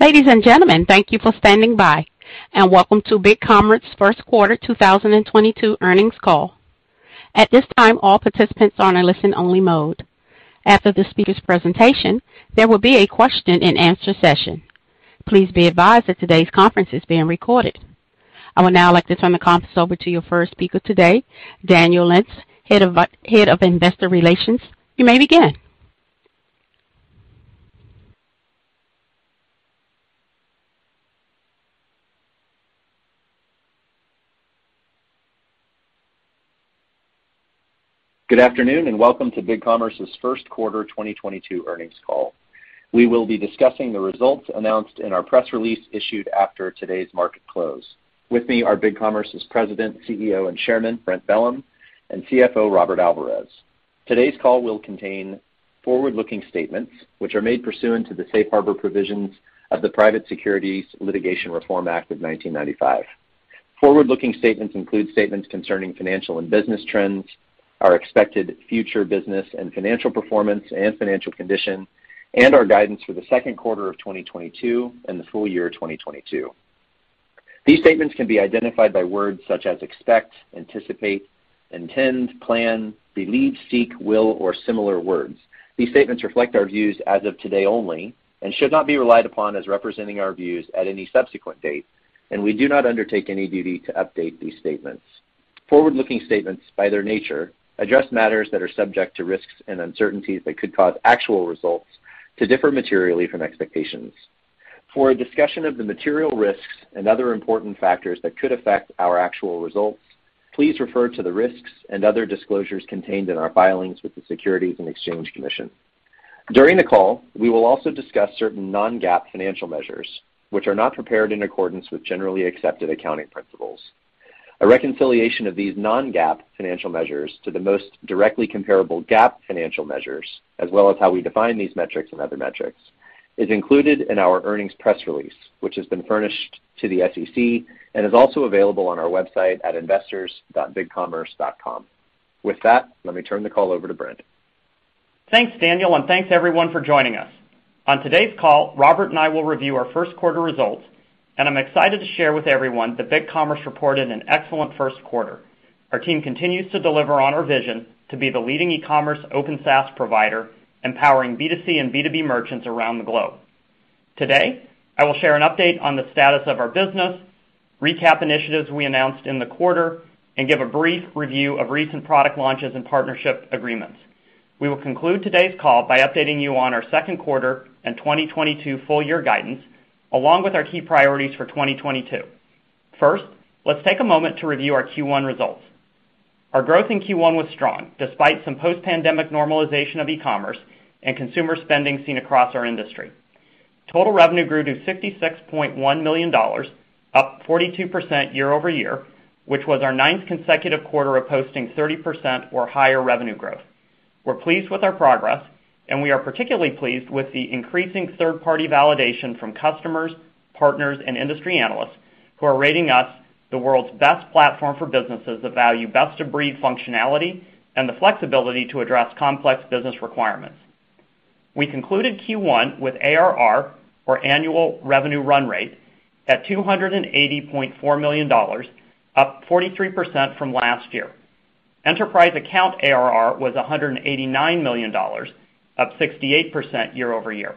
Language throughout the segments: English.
Ladies and gentlemen, thank you for standing by, and welcome to BigCommerce First Quarter 2022 Earnings Call. At this time, all participants are in a listen only mode. After the speaker's presentation, there will be a question-and-answer session. Please be advised that today's conference is being recorded. I would now like to turn the conference over to your first speaker today, Daniel Lentz, Head of Investor Relations. You may begin. Good afternoon, and welcome to BigCommerce's First Quarter 2022 Earnings Call. We will be discussing the results announced in our press release issued after today's market close. With me are BigCommerce President, CEO, and Chairman, Brent Bellm, and CFO, Robert Alvarez. Today's call will contain forward-looking statements, which are made pursuant to the safe harbor provisions of the Private Securities Litigation Reform Act of 1995. Forward-looking statements include statements concerning financial and business trends, our expected future business and financial performance and financial condition, and our guidance for the second quarter of 2022 and the full year 2022. These statements can be identified by words such as expect, anticipate, intend, plan, believe, seek, will, or similar words. These statements reflect our views as of today only and should not be relied upon as representing our views at any subsequent date, and we do not undertake any duty to update these statements. Forward-looking statements, by their nature, address matters that are subject to risks and uncertainties that could cause actual results to differ materially from expectations. For a discussion of the material risks and other important factors that could affect our actual results, please refer to the risks and other disclosures contained in our filings with the Securities and Exchange Commission. During the call, we will also discuss certain non-GAAP financial measures, which are not prepared in accordance with generally accepted accounting principles. A reconciliation of these non-GAAP financial measures to the most directly comparable GAAP financial measures, as well as how we define these metrics and other metrics, is included in our earnings press release, which has been furnished to the SEC and is also available on our website at investors.bigcommerce.com. With that, let me turn the call over to Brent. Thanks, Daniel, and thanks, everyone, for joining us. On today's call, Robert and I will review our first quarter results, and I'm excited to share with everyone that BigCommerce reported an excellent first quarter. Our team continues to deliver on our vision to be the leading e-commerce Open SaaS provider, empowering B2C and B2B merchants around the globe. Today, I will share an update on the status of our business, recap initiatives we announced in the quarter, and give a brief review of recent product launches and partnership agreements. We will conclude today's call by updating you on our second quarter and 2022 full year guidance, along with our key priorities for 2022. First, let's take a moment to review our Q1 results. Our growth in Q1 was strong, despite some post-pandemic normalization of e-commerce and consumer spending seen across our industry. Total revenue grew to $66.1 million, up 42% year-over-year, which was our ninth consecutive quarter of posting 30% or higher revenue growth. We're pleased with our progress, and we are particularly pleased with the increasing third-party validation from customers, partners, and industry analysts who are rating us the world's best platform for businesses that value best-of-breed functionality and the flexibility to address complex business requirements. We concluded Q1 with ARR, or annual revenue run rate, at $280.4 million, up 43% from last year. Enterprise account ARR was $189 million, up 68% year-over-year.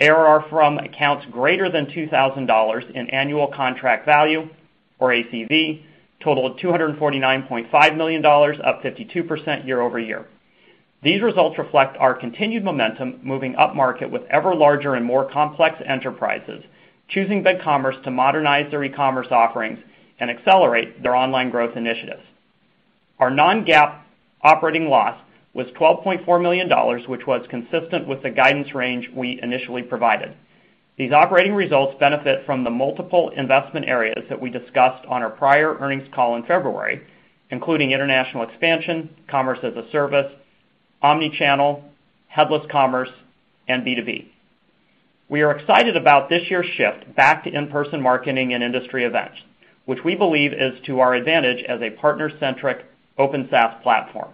ARR from accounts greater than $2,000 in annual contract value or ACV totaled $249.5 million, up 52% year-over-year. These results reflect our continued momentum moving upmarket with ever larger and more complex enterprises, choosing BigCommerce to modernize their e-commerce offerings and accelerate their online growth initiatives. Our non-GAAP operating loss was $12.4 million, which was consistent with the guidance range we initially provided. These operating results benefit from the multiple investment areas that we discussed on our prior earnings call in February, including international expansion, Commerce as a Service, omni-channel, headless commerce, and B2B. We are excited about this year's shift back to in-person marketing and industry events, which we believe is to our advantage as a partner-centric Open SaaS platform.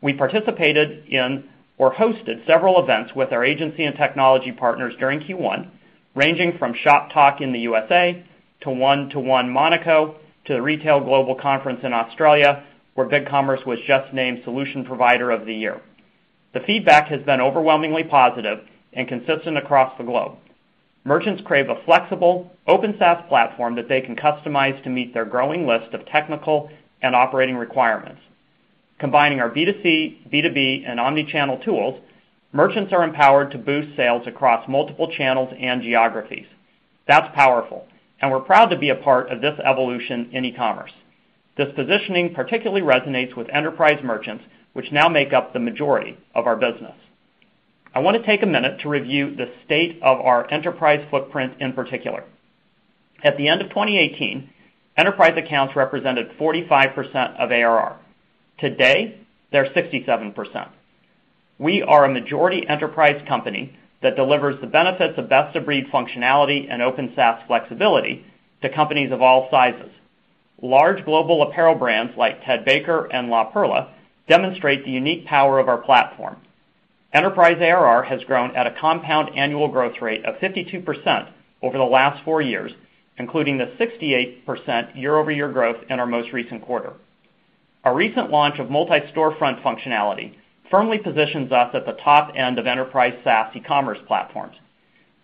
We participated in or hosted several events with our agency and technology partners during Q1, ranging from Shoptalk in the USA to One to One Monaco to the Retail Global Conference in Australia, where BigCommerce was just named solution provider of the year. The feedback has been overwhelmingly positive and consistent across the globe. Merchants crave a flexible Open SaaS platform that they can customize to meet their growing list of technical and operating requirements. Combining our B2C, B2B, and omni-channel tools, merchants are empowered to boost sales across multiple channels and geographies. That's powerful, and we're proud to be a part of this evolution in e-commerce. This positioning particularly resonates with enterprise merchants, which now make up the majority of our business. I wanna take a minute to review the state of our enterprise footprint in particular. At the end of 2018, enterprise accounts represented 45% of ARR. Today, they're 67%. We are a majority enterprise company that delivers the benefits of best-of-breed functionality and Open SaaS flexibility to companies of all sizes. Large global apparel brands like Ted Baker and La Perla demonstrate the unique power of our platform. Enterprise ARR has grown at a compound annual growth rate of 52% over the last 4 years, including the 68% year-over-year growth in our most recent quarter. Our recent launch of Multi-Storefront functionality firmly positions us at the top end of enterprise SaaS e-commerce platforms.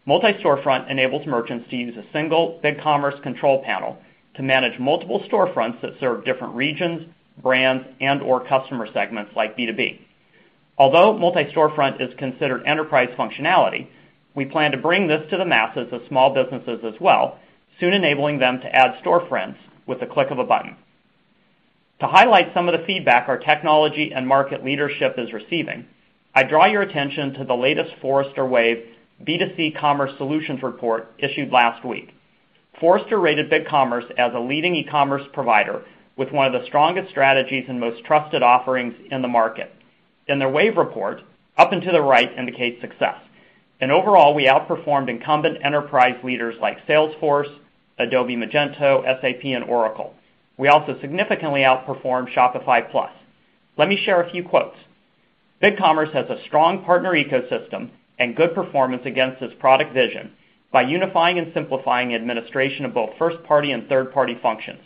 Multi-Storefront enables merchants to use a single BigCommerce control panel to manage multiple storefronts that serve different regions, brands, and/or customer segments like B2B. Although Multi-Storefront is considered enterprise functionality, we plan to bring this to the masses of small businesses as well, soon enabling them to add storefronts with the click of a button. To highlight some of the feedback our technology and market leadership is receiving, I draw your attention to the latest Forrester Wave: B2C Commerce Solutions report issued last week. Forrester rated BigCommerce as a leading e-commerce provider with one of the strongest strategies and most trusted offerings in the market. In their Wave report, up and to the right indicates success, and overall, we outperformed incumbent enterprise leaders like Salesforce, Adobe Commerce, SAP, and Oracle. We also significantly outperformed Shopify Plus. Let me share a few quotes. BigCommerce has a strong partner ecosystem and good performance against its product vision by unifying and simplifying administration of both first-party and third-party functions.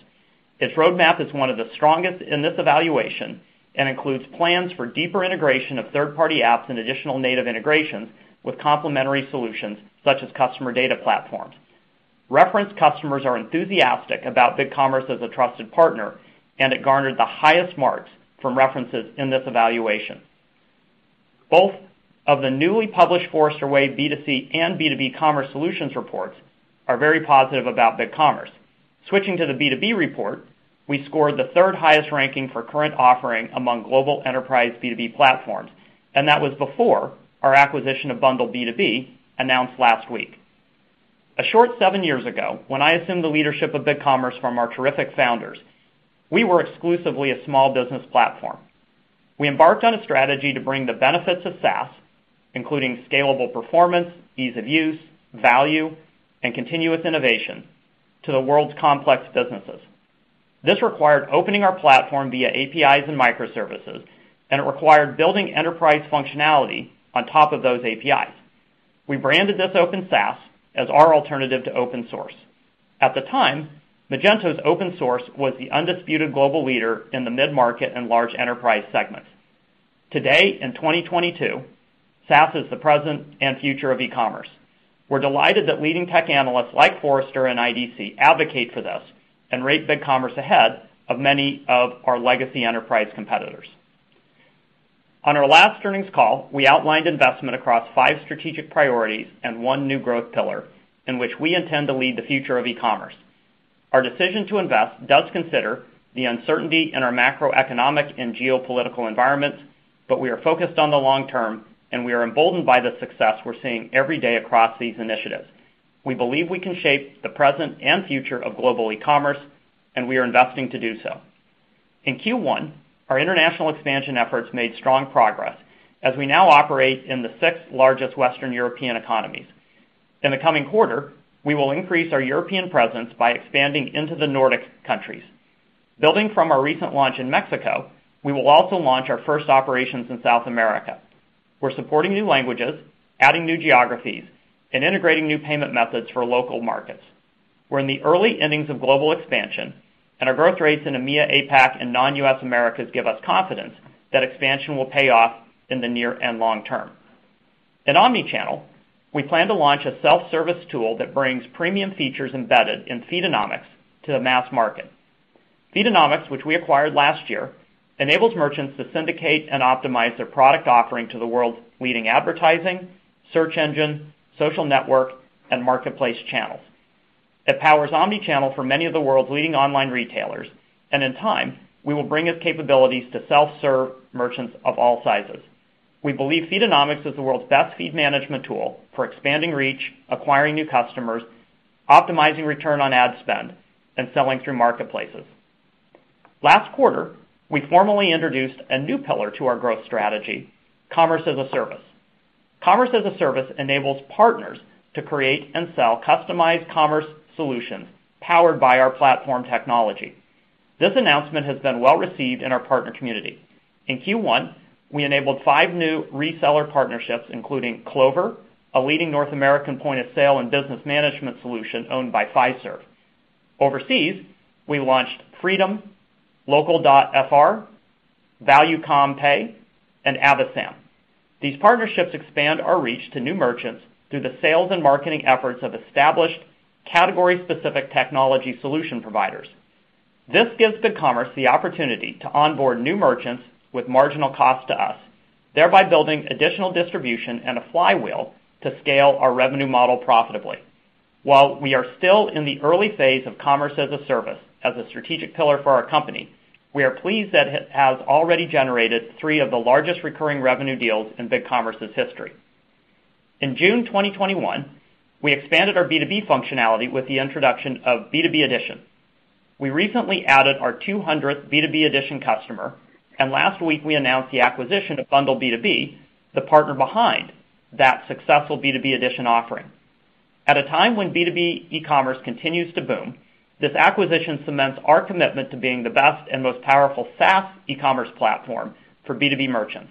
Its roadmap is one of the strongest in this evaluation and includes plans for deeper integration of third-party apps and additional native integrations with complementary solutions such as customer data platforms. Reference customers are enthusiastic about BigCommerce as a trusted partner, and it garnered the highest marks from references in this evaluation. Both of the newly published Forrester Wave B2C and B2B Commerce Solutions reports are very positive about BigCommerce. Switching to the B2B report, we scored the third highest ranking for current offering among global enterprise B2B platforms, and that was before our acquisition of BundleB2B announced last week. A short seven years ago, when I assumed the leadership of BigCommerce from our terrific founders, we were exclusively a small business platform. We embarked on a strategy to bring the benefits of SaaS, including scalable performance, ease of use, value, and continuous innovation to the world's complex businesses. This required opening our platform via APIs and microservices, and it required building enterprise functionality on top of those APIs. We branded this Open SaaS as our alternative to open source. At the time, Magento's open source was the undisputed global leader in the mid-market and large enterprise segments. Today, in 2022, SaaS is the present and future of e-commerce. We're delighted that leading tech analysts like Forrester and IDC advocate for this and rate BigCommerce ahead of many of our legacy enterprise competitors. On our last earnings call, we outlined investment across five strategic priorities and one new growth pillar in which we intend to lead the future of e-commerce. Our decision to invest does consider the uncertainty in our macroeconomic and geopolitical environments, but we are focused on the long term, and we are emboldened by the success we're seeing every day across these initiatives. We believe we can shape the present and future of global e-commerce, and we are investing to do so. In Q1, our international expansion efforts made strong progress as we now operate in the sixth-largest Western European economies. In the coming quarter, we will increase our European presence by expanding into the Nordic countries. Building from our recent launch in Mexico, we will also launch our first operations in South America. We're supporting new languages, adding new geographies, and integrating new payment methods for local markets. We're in the early innings of global expansion, and our growth rates in EMEA, APAC, and non-U.S. Americas give us confidence that expansion will pay off in the near and long term. In omnichannel, we plan to launch a self-service tool that brings premium features embedded in Feedonomics to the mass market. Feedonomics, which we acquired last year, enables merchants to syndicate and optimize their product offering to the world's leading advertising, search engine, social network, and marketplace channels. It powers omnichannel for many of the world's leading online retailers, and in time, we will bring its capabilities to self-serve merchants of all sizes. We believe Feedonomics is the world's best feed management tool for expanding reach, acquiring new customers, optimizing return on ad spend, and selling through marketplaces. Last quarter, we formally introduced a new pillar to our growth strategy, Commerce as a Service. Commerce as a Service enables partners to create and sell customized commerce solutions powered by our platform technology. This announcement has been well received in our partner community. In Q1, we enabled five new reseller partnerships, including Clover, a leading North American point-of-sale and business management solution owned by Fiserv. Overseas, we launched Fridom, Local.fr, Valuecom/Pay, and Avasam. These partnerships expand our reach to new merchants through the sales and marketing efforts of established category-specific technology solution providers. This gives BigCommerce the opportunity to onboard new merchants with marginal cost to us, thereby building additional distribution and a flywheel to scale our revenue model profitably. While we are still in the early phase of Commerce as a Service as a strategic pillar for our company, we are pleased that it has already generated 3 of the largest recurring revenue deals in BigCommerce's history. In June 2021, we expanded our B2B functionality with the introduction of B2B Edition. We recently added our 200th B2B Edition customer, and last week, we announced the acquisition of BundleB2B, the partner behind that successful B2B Edition offering. At a time when B2B e-commerce continues to boom, this acquisition cements our commitment to being the best and most powerful SaaS e-commerce platform for B2B merchants.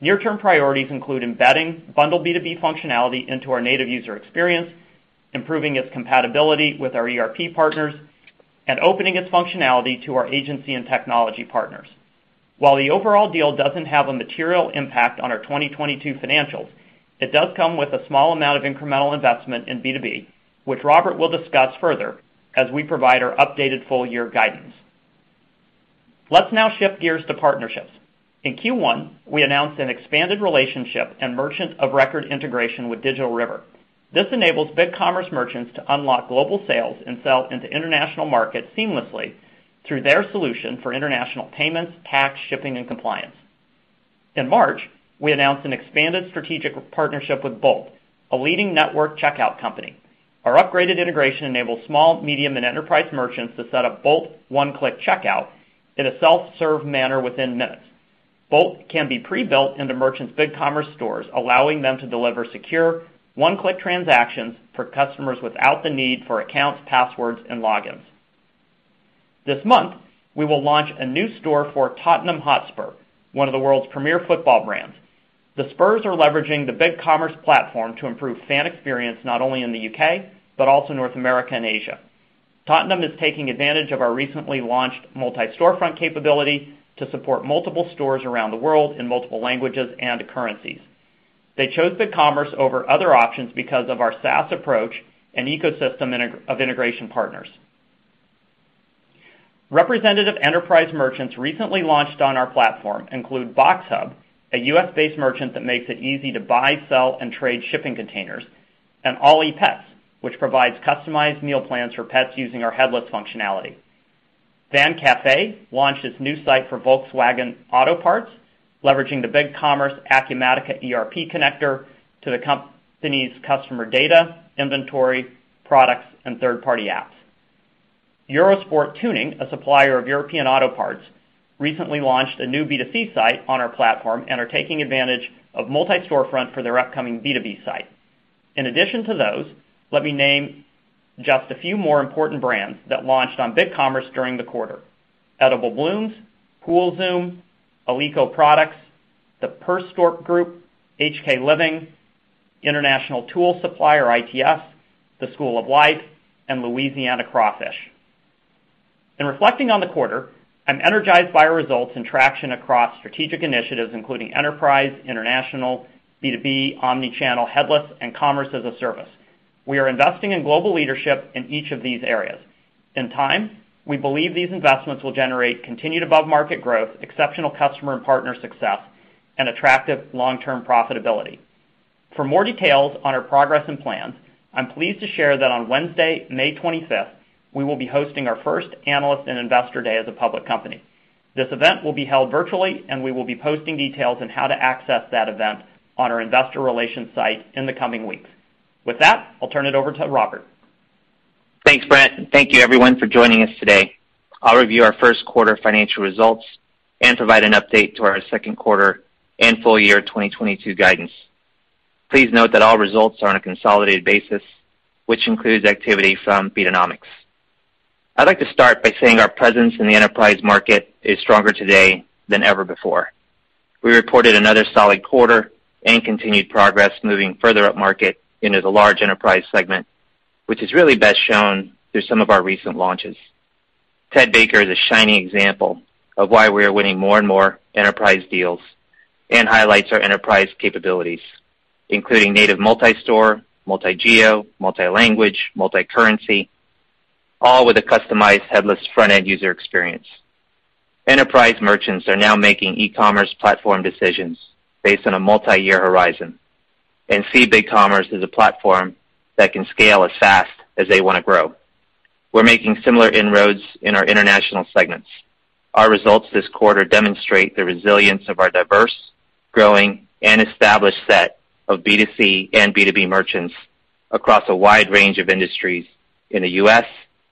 Near-term priorities include embedding bundled B2B functionality into our native user experience, improving its compatibility with our ERP partners, and opening its functionality to our agency and technology partners. While the overall deal doesn't have a material impact on our 2022 financials, it does come with a small amount of incremental investment in B2B, which Robert will discuss further as we provide our updated full year guidance. Let's now shift gears to partnerships. In Q1, we announced an expanded relationship and merchant of record integration with Digital River. This enables BigCommerce merchants to unlock global sales and sell into international markets seamlessly through their solution for international payments, tax, shipping, and compliance. In March, we announced an expanded strategic partnership with Bolt, a leading network checkout company. Our upgraded integration enables small, medium, and enterprise merchants to set up Bolt one-click checkout in a self-serve manner within minutes. Bolt can be pre-built into merchants' BigCommerce stores, allowing them to deliver secure one-click transactions for customers without the need for accounts, passwords, and logins. This month, we will launch a new store for Tottenham Hotspur, one of the world's premier football brands. The Spurs are leveraging the BigCommerce platform to improve fan experience not only in the U.K., but also North America and Asia. Tottenham is taking advantage of our recently launched Multi-Storefront capability to support multiple stores around the world in multiple languages and currencies. They chose BigCommerce over other options because of our SaaS approach and ecosystem integration partners. Representative enterprise merchants recently launched on our platform include BoxHub, a U.S.-based merchant that makes it easy to buy, sell, and trade shipping containers, and Ollie, which provides customized meal plans for pets using our headless functionality. Van Cafe launched its new site for Volkswagen auto parts, leveraging the BigCommerce Acumatica ERP connector to the company's customer data, inventory, products, and third-party apps. EuroSport Tuning, a supplier of European auto parts, recently launched a new B2C site on our platform and are taking advantage of Multi-Storefront for their upcoming B2B site. In addition to those, let me name just a few more important brands that launched on BigCommerce during the quarter. Edible Blooms, Poolzoom, Alico Products, Perstorp Group, HKLiving, International Tool Supplies, ITS, The School of Life, and Louisiana Crawfish Company. In reflecting on the quarter, I'm energized by our results and traction across strategic initiatives, including enterprise, international, B2B, omni-channel, headless, and Commerce as a Service. We are investing in global leadership in each of these areas. In time, we believe these investments will generate continued above-market growth, exceptional customer and partner success, and attractive long-term profitability. For more details on our progress and plans, I'm pleased to share that on Wednesday, May 25th, we will be hosting our first Analyst and Investor Day as a public company. This event will be held virtually, and we will be posting details on how to access that event on our investor relations site in the coming weeks. With that, I'll turn it over to Robert. Thanks, Brent, and thank you everyone for joining us today. I'll review our First Quarter Financial Results and provide an update to our second quarter and Full Year 2022 Guidance. Please note that all results are on a consolidated basis, which includes activity from Feedonomics. I'd like to start by saying our presence in the enterprise market is stronger today than ever before. We reported another solid quarter and continued progress moving further upmarket into the large enterprise segment, which is really best shown through some of our recent launches. Ted Baker is a shining example of why we are winning more and more enterprise deals and highlights our enterprise capabilities, including native multi-store, multi-geo, multi-language, multi-currency, all with a customized headless front-end user experience. Enterprise merchants are now making e-commerce platform decisions based on a multi-year horizon, and see BigCommerce as a platform that can scale as fast as they want to grow. We're making similar inroads in our international segments. Our results this quarter demonstrate the resilience of our diverse, growing, and established set of B2C and B2B merchants across a wide range of industries in the U.S.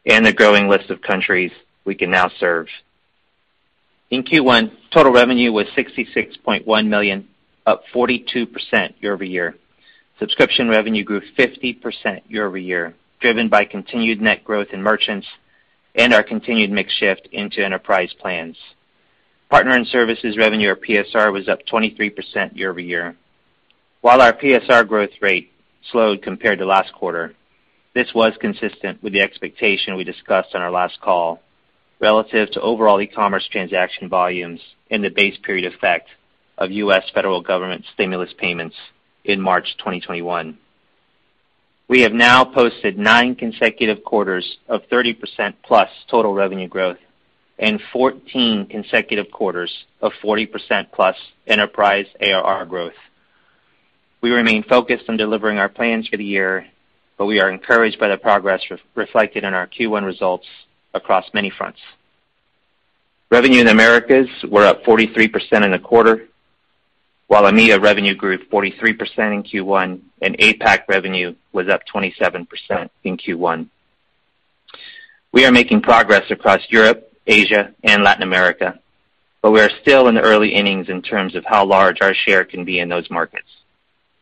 and a growing list of countries we can now serve. In Q1, total revenue was $66.1 million, up 42% year-over-year. Subscription revenue grew 50% year-over-year, driven by continued net growth in merchants and our continued mix shift into enterprise plans. Partner and services revenue, or PSR, was up 23% year-over-year. While our PSR growth rate slowed compared to last quarter, this was consistent with the expectation we discussed on our last call relative to overall e-commerce transaction volumes and the base period effect of U.S. federal government stimulus payments in March 2021. We have now posted 9 consecutive quarters of 30%+ total revenue growth and 14 consecutive quarters of 40%+ enterprise ARR growth. We remain focused on delivering our plans for the year, but we are encouraged by the progress reflected in our Q1 results across many fronts. Revenue in Americas were up 43% in the quarter, while EMEA revenue grew 43% in Q1 and APAC revenue was up 27% in Q1. We are making progress across Europe, Asia and Latin America, but we are still in the early innings in terms of how large our share can be in those markets.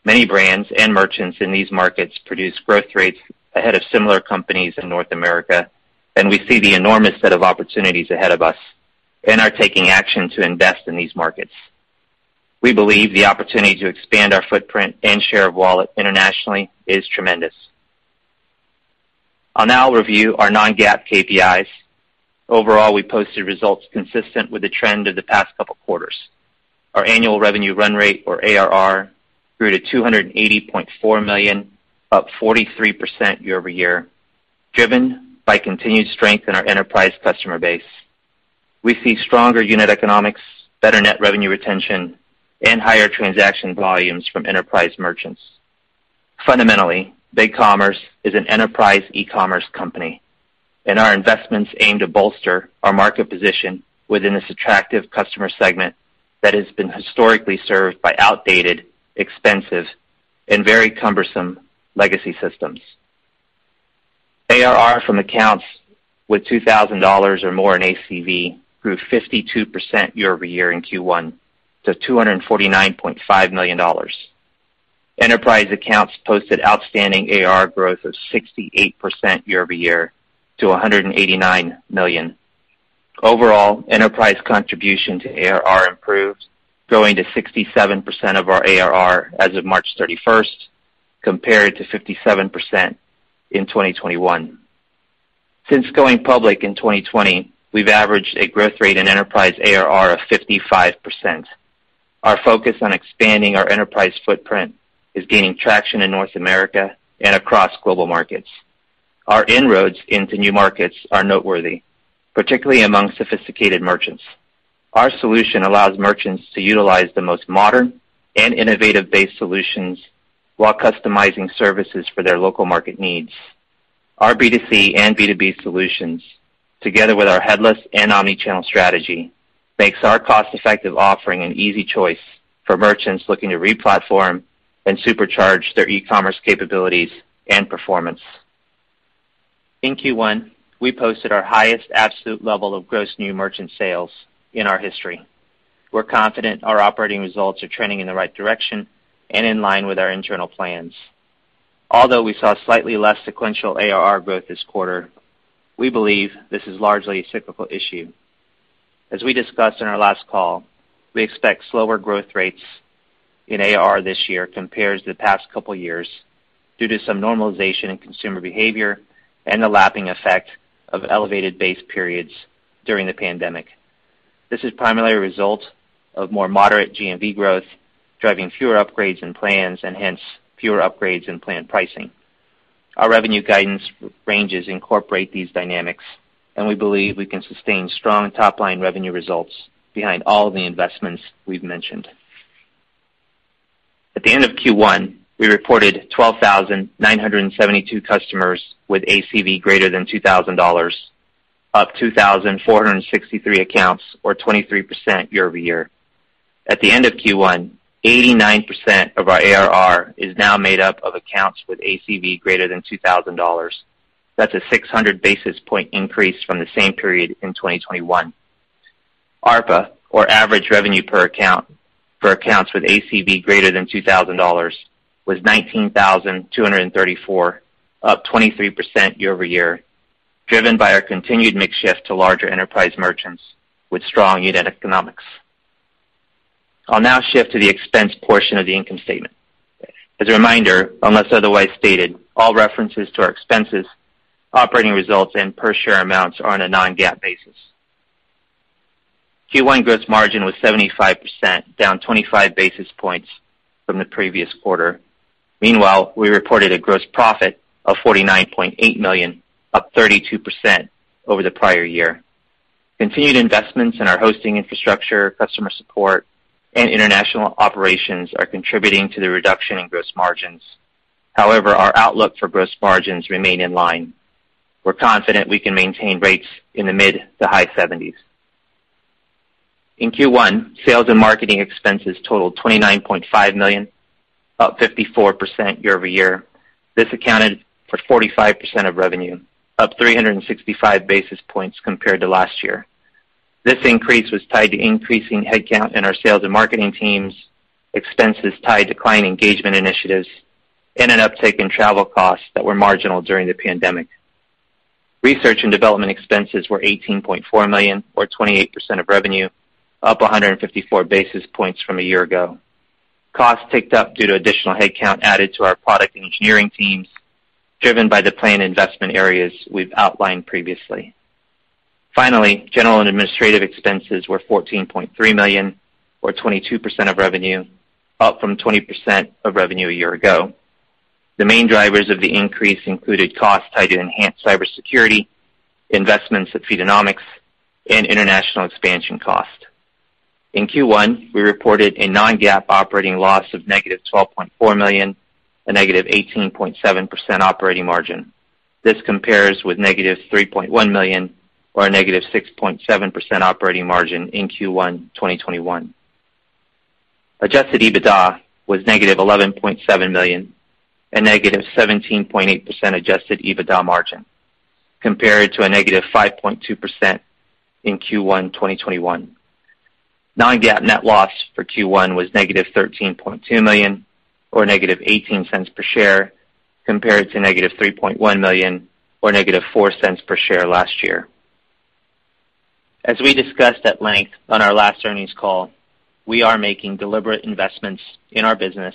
Many brands and merchants in these markets produce growth rates ahead of similar companies in North America, and we see the enormous set of opportunities ahead of us and are taking action to invest in these markets. We believe the opportunity to expand our footprint and share of wallet internationally is tremendous. I'll now review our non-GAAP KPIs. Overall, we posted results consistent with the trend of the past couple quarters. Our annual revenue run rate, or ARR, grew to $280.4 million, up 43% year-over-year, driven by continued strength in our enterprise customer base. We see stronger unit economics, better net revenue retention, and higher transaction volumes from enterprise merchants. Fundamentally, BigCommerce is an enterprise e-commerce company, and our investments aim to bolster our market position within this attractive customer segment that has been historically served by outdated, expensive and very cumbersome legacy systems. ARR from accounts with $2,000 or more in ACV grew 52% year-over-year in Q1 to $249.5 million. Enterprise accounts posted outstanding ARR growth of 68% year-over-year to $189 million. Overall, enterprise contribution to ARR improved, growing to 67% of our ARR as of 31 March, compared to 57% in 2021. Since going public in 2020, we've averaged a growth rate in enterprise ARR of 55%. Our focus on expanding our enterprise footprint is gaining traction in North America and across global markets. Our inroads into new markets are noteworthy, particularly among sophisticated merchants. Our solution allows merchants to utilize the most modern and innovative-based solutions while customizing services for their local market needs. Our B2C and B2B solutions, together with our headless and omni-channel strategy, makes our cost-effective offering an easy choice for merchants looking to re-platform and supercharge their e-commerce capabilities and performance. In Q1, we posted our highest absolute level of gross new merchant sales in our history. We're confident our operating results are trending in the right direction and in line with our internal plans. Although we saw slightly less sequential ARR growth this quarter, we believe this is largely a cyclical issue. As we discussed in our last call, we expect slower growth rates in ARR this year compared to the past couple years due to some normalization in consumer behavior and the lapping effect of elevated base periods during the pandemic. This is primarily a result of more moderate GMV growth, driving fewer upgrades in plans and hence fewer upgrades in planned pricing. Our revenue guidance ranges incorporate these dynamics, and we believe we can sustain strong top-line revenue results behind all the investments we've mentioned. At the end of Q1, we reported 12,972 customers with ACV greater than $2,000, up 2,463 accounts or 23% year over year. At the end of Q1, 89% of our ARR is now made up of accounts with ACV greater than $2,000. That's a 600 basis point increase from the same period in 2021. ARPA, or Average Revenue Per Account, for accounts with ACV greater than $2,000 was $19,234, up 23% year-over-year, driven by our continued mix shift to larger enterprise merchants with strong unit economics. I'll now shift to the expense portion of the income statement. As a reminder, unless otherwise stated, all references to our expenses, operating results and per share amounts are on a non-GAAP basis. Q1 gross margin was 75%, down 25 basis points from the previous quarter. Meanwhile, we reported a gross profit of $49.8 million, up 32% over the prior year. Continued investments in our hosting infrastructure, customer support and international operations are contributing to the reduction in gross margins. However, our outlook for gross margins remain in line. We're confident we can maintain rates in the mid- to high-70s. In Q1, sales and marketing expenses totaled $29.5 million, up 54% year-over-year. This accounted for 45% of revenue, up 365 basis points compared to last year. This increase was tied to increasing headcount in our sales and marketing teams, expenses tied to client engagement initiatives, and an uptick in travel costs that were marginal during the pandemic. Research and development expenses were $18.4 million, or 28% of revenue, up 154 basis points from a year ago. Costs ticked up due to additional headcount added to our product engineering teams, driven by the planned investment areas we've outlined previously. Finally, general and administrative expenses were $14.3 million, or 22% of revenue, up from 20% of revenue a year ago. The main drivers of the increase included costs tied to enhanced cybersecurity, investments at Feedonomics and international expansion cost. In Q1, we reported a non-GAAP operating loss of -$12.4 million, a -18.7% operating margin. This compares with -$3.1 million or a -6.7% operating margin in Q1 2021. Adjusted EBITDA was -$11.7 million and -17.8% adjusted EBITDA margin compared to a -5.2% in Q1 2021. Non-GAAP net loss for Q1 was -$13.2 million or -$0.18 per share, compared to -$3.1 million or -$0.04 per share last year. As we discussed at length on our last earnings call, we are making deliberate investments in our business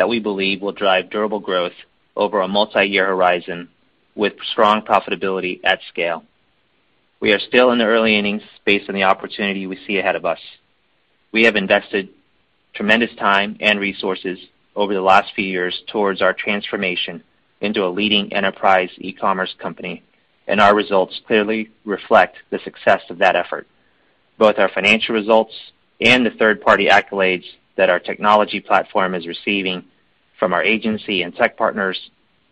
that we believe will drive durable growth over a multi-year horizon with strong profitability at scale. We are still in the early innings based on the opportunity we see ahead of us. We have invested tremendous time and resources over the last few years towards our transformation into a leading enterprise e-commerce company, and our results clearly reflect the success of that effort, both our financial results and the third-party accolades that our technology platform is receiving from our agency and tech partners,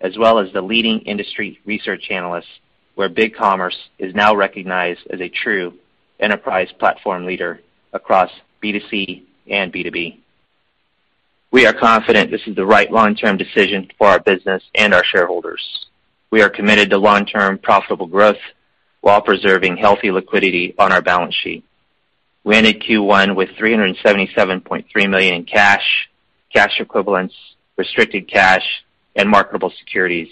as well as the leading industry research analysts, where Commerce.com is now recognized as a true enterprise platform leader across B2C and B2B. We are confident this is the right long-term decision for our business and our shareholders. We are committed to long-term profitable growth while preserving healthy liquidity on our balance sheet. We ended Q1 with $377.3 million in cash equivalents, restricted cash, and marketable securities.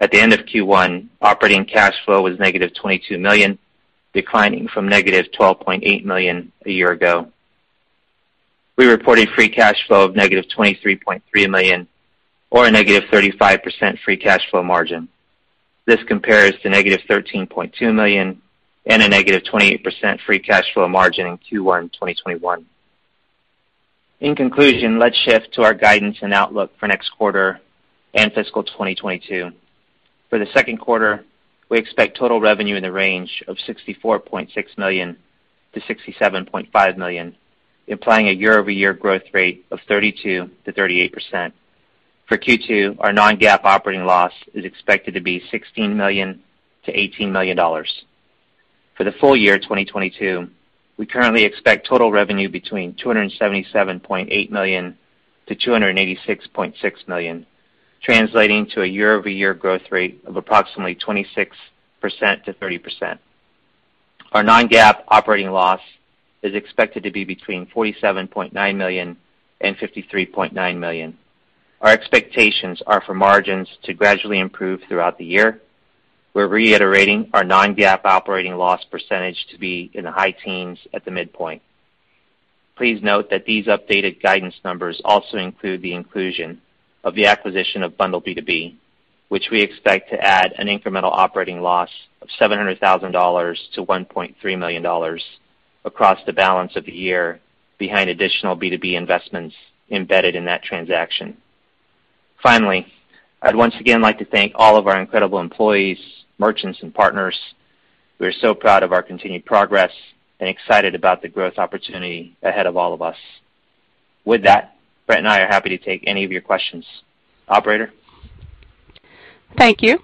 At the end of Q1, operating cash flow was -$22 million, declining from -$12.8 million a year ago. We reported free cash flow of -$23.3 million or a negative 35% free cash flow margin. This compares to -$13.2 million and a negative 28% free cash flow margin in Q1 2021. In conclusion, let's shift to our guidance and outlook for next quarter and fiscal 2022. For the second quarter, we expect total revenue in the range of $64.6 million-$67.5 million, implying a year-over-year growth rate of 32%-38%. For Q2, our non-GAAP operating loss is expected to be $16 million-$18 million. For the full year 2022, we currently expect total revenue between $277.8 million-$286.6 million, translating to a year-over-year growth rate of approximately 26%-30%. Our non-GAAP operating loss is expected to be between $47.9 million and $53.9 million. Our expectations are for margins to gradually improve throughout the year. We're reiterating our non-GAAP operating loss percentage to be in the high teens at the midpoint. Please note that these updated guidance numbers also include the inclusion of the acquisition of BundleB2B, which we expect to add an incremental operating loss of $700,000-$1.3 million across the balance of the year behind additional B2B investments embedded in that transaction. Finally, I'd once again like to thank all of our incredible employees, merchants, and partners. We are so proud of our continued progress and excited about the growth opportunity ahead of all of us. With that, Brent and I are happy to take any of your questions. Operator? Thank you.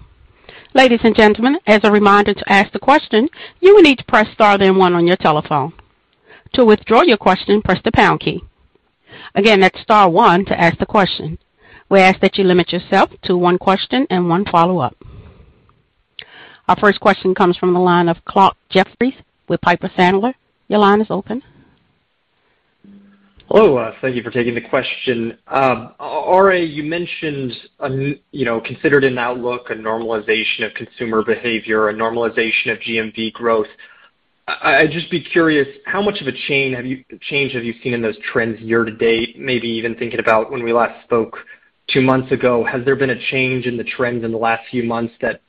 Ladies and gentlemen, as a reminder to ask the question, you will need to press star then one on your telephone. To withdraw your question, press the pound key. Again, that's star one to ask the question. We ask that you limit yourself to one question and one follow-up. Our first question comes from the line of Clarke Jeffries with Piper Sandler. Your line is open. Hello. Thank you for taking the question. You mentioned a, you know, considered an outlook, a normalization of consumer behavior, a normalization of GMV growth. I'd just be curious, how much of a change have you seen in those trends year to date, maybe even thinking about when we last spoke two months ago. Has there been a change in the trends in the last few months that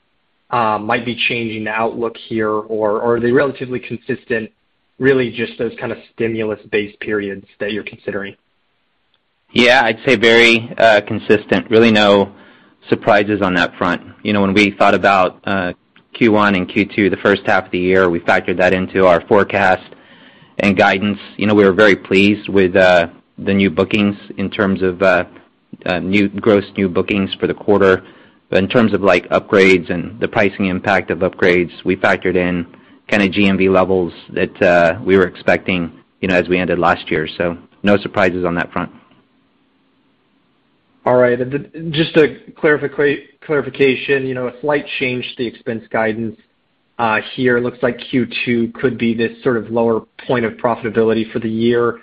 might be changing the outlook here, or are they relatively consistent, really just those kind of stimulus-based periods that you're considering? Yeah, I'd say very consistent. Really no surprises on that front. You know, when we thought about Q1 and Q2, the first half of the year, we factored that into our forecast and guidance. You know, we were very pleased with the new bookings in terms of gross new bookings for the quarter. But in terms of, like, upgrades and the pricing impact of upgrades, we factored in kinda GMV levels that we were expecting, you know, as we ended last year. So no surprises on that front. All right. Just a clarification, you know, a slight change to the expense guidance here. Looks like Q2 could be this sort of lower point of profitability for the year.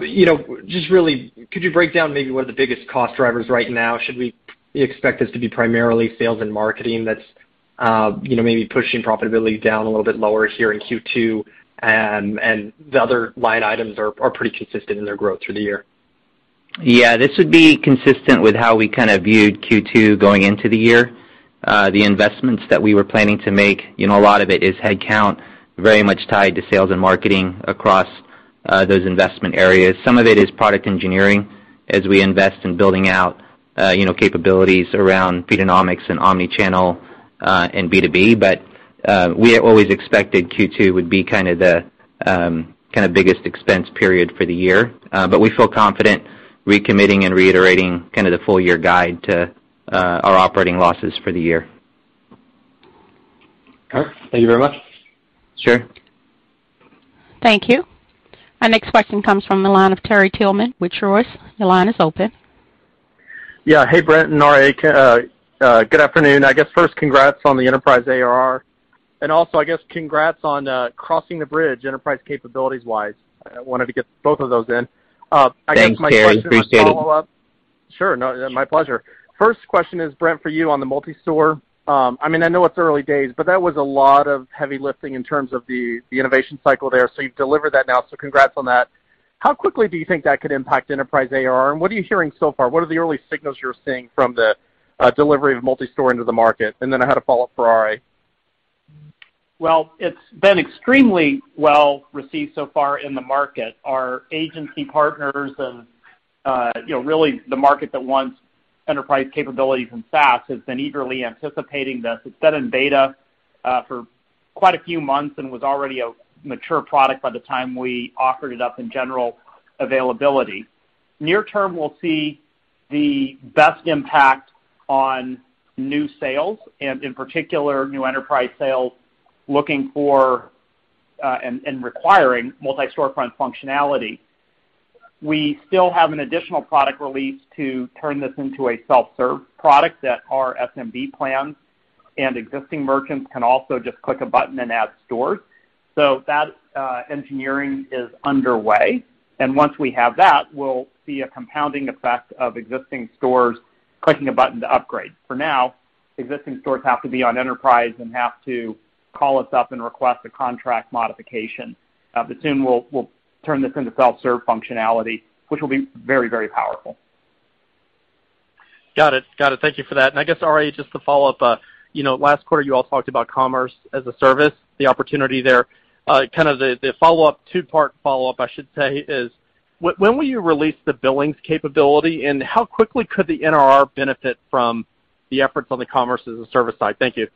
You know, just really, could you break down maybe what are the biggest cost drivers right now? Should we expect this to be primarily sales and marketing that's, you know, maybe pushing profitability down a little bit lower here in Q2, and the other line items are pretty consistent in their growth through the year? Yeah. This would be consistent with how we kinda viewed Q2 going into the year. The investments that we were planning to make, you know, a lot of it is headcount, very much tied to sales and marketing across those investment areas. Some of it is product engineering as we invest in building out, you know, capabilities around Feedonomics and omni-channel and B2B. But we always expected Q2 would be kind of the kind of biggest expense period for the year. We feel confident recommitting and reiterating kind of the full year guide to our operating losses for the year. All right. Thank you very much. Sure. Thank you. Our next question comes from the line of Terry Tillman with Truist. Your line is open. Yeah. Hey, Brent and Alvarez. Good afternoon. I guess first congrats on the enterprise ARR, and also, I guess, congrats on crossing the bridge enterprise capabilities-wise. I wanted to get both of those in. I guess my question- Thanks, Terry. Appreciate it. Follow-up. Sure. No, my pleasure. First question is, Brent, for you on the multi-store. I mean, I know it's early days, but that was a lot of heavy lifting in terms of the innovation cycle there. So you've delivered that now, so congrats on that. How quickly do you think that could impact enterprise ARR? And what are you hearing so far? What are the early signals you're seeing from the delivery of multi-store into the market? And then I had a follow-up for Alvarez. Well, it's been extremely well received so far in the market. Our agency partners and, you know, really the market that wants enterprise capabilities and SaaS has been eagerly anticipating this. It's been in beta, for quite a few months and was already a mature product by the time we offered it up in general availability. Near term, we'll see the best impact on new sales and in particular, new enterprise sales looking for, and requiring Multi-Storefront functionality. We still have an additional product release to turn this into a self-serve product that our SMB plans and existing merchants can also just click a button and add stores. That engineering is underway, and once we have that, we'll see a compounding effect of existing stores clicking a button to upgrade. For now, existing stores have to be on enterprise and have to call us up and request a contract modification. Soon we'll turn this into self-serve functionality, which will be very, very powerful. Got it. Thank you for that. I guess, Alvarez, just to follow up, you know, last quarter, you all talked about Commerce as a Service, the opportunity there. Kind of the follow-up, two-part follow-up, I should say, is when will you release the billings capability, and how quickly could the NRR benefit from the efforts on the Commerce as a Service side? Thank you.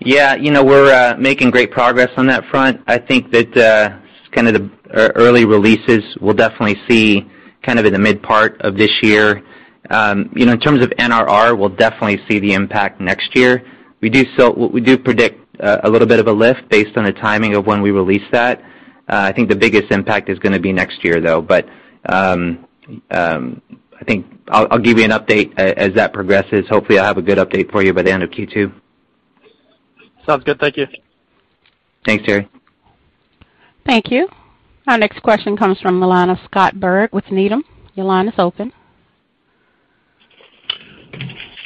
Yeah. You know, we're making great progress on that front. I think that kind of the early releases we'll definitely see kind of in the mid-part of this year. You know, in terms of NRR, we'll definitely see the impact next year. We do predict a little bit of a lift based on the timing of when we release that. I think the biggest impact is gonna be next year, though. I think I'll give you an update as that progresses. Hopefully, I'll have a good update for you by the end of Q2. Sounds good. Thank you. Thanks, Terry. Thank you. Our next question comes from the line of Scott Berg with Needham. Your line is open.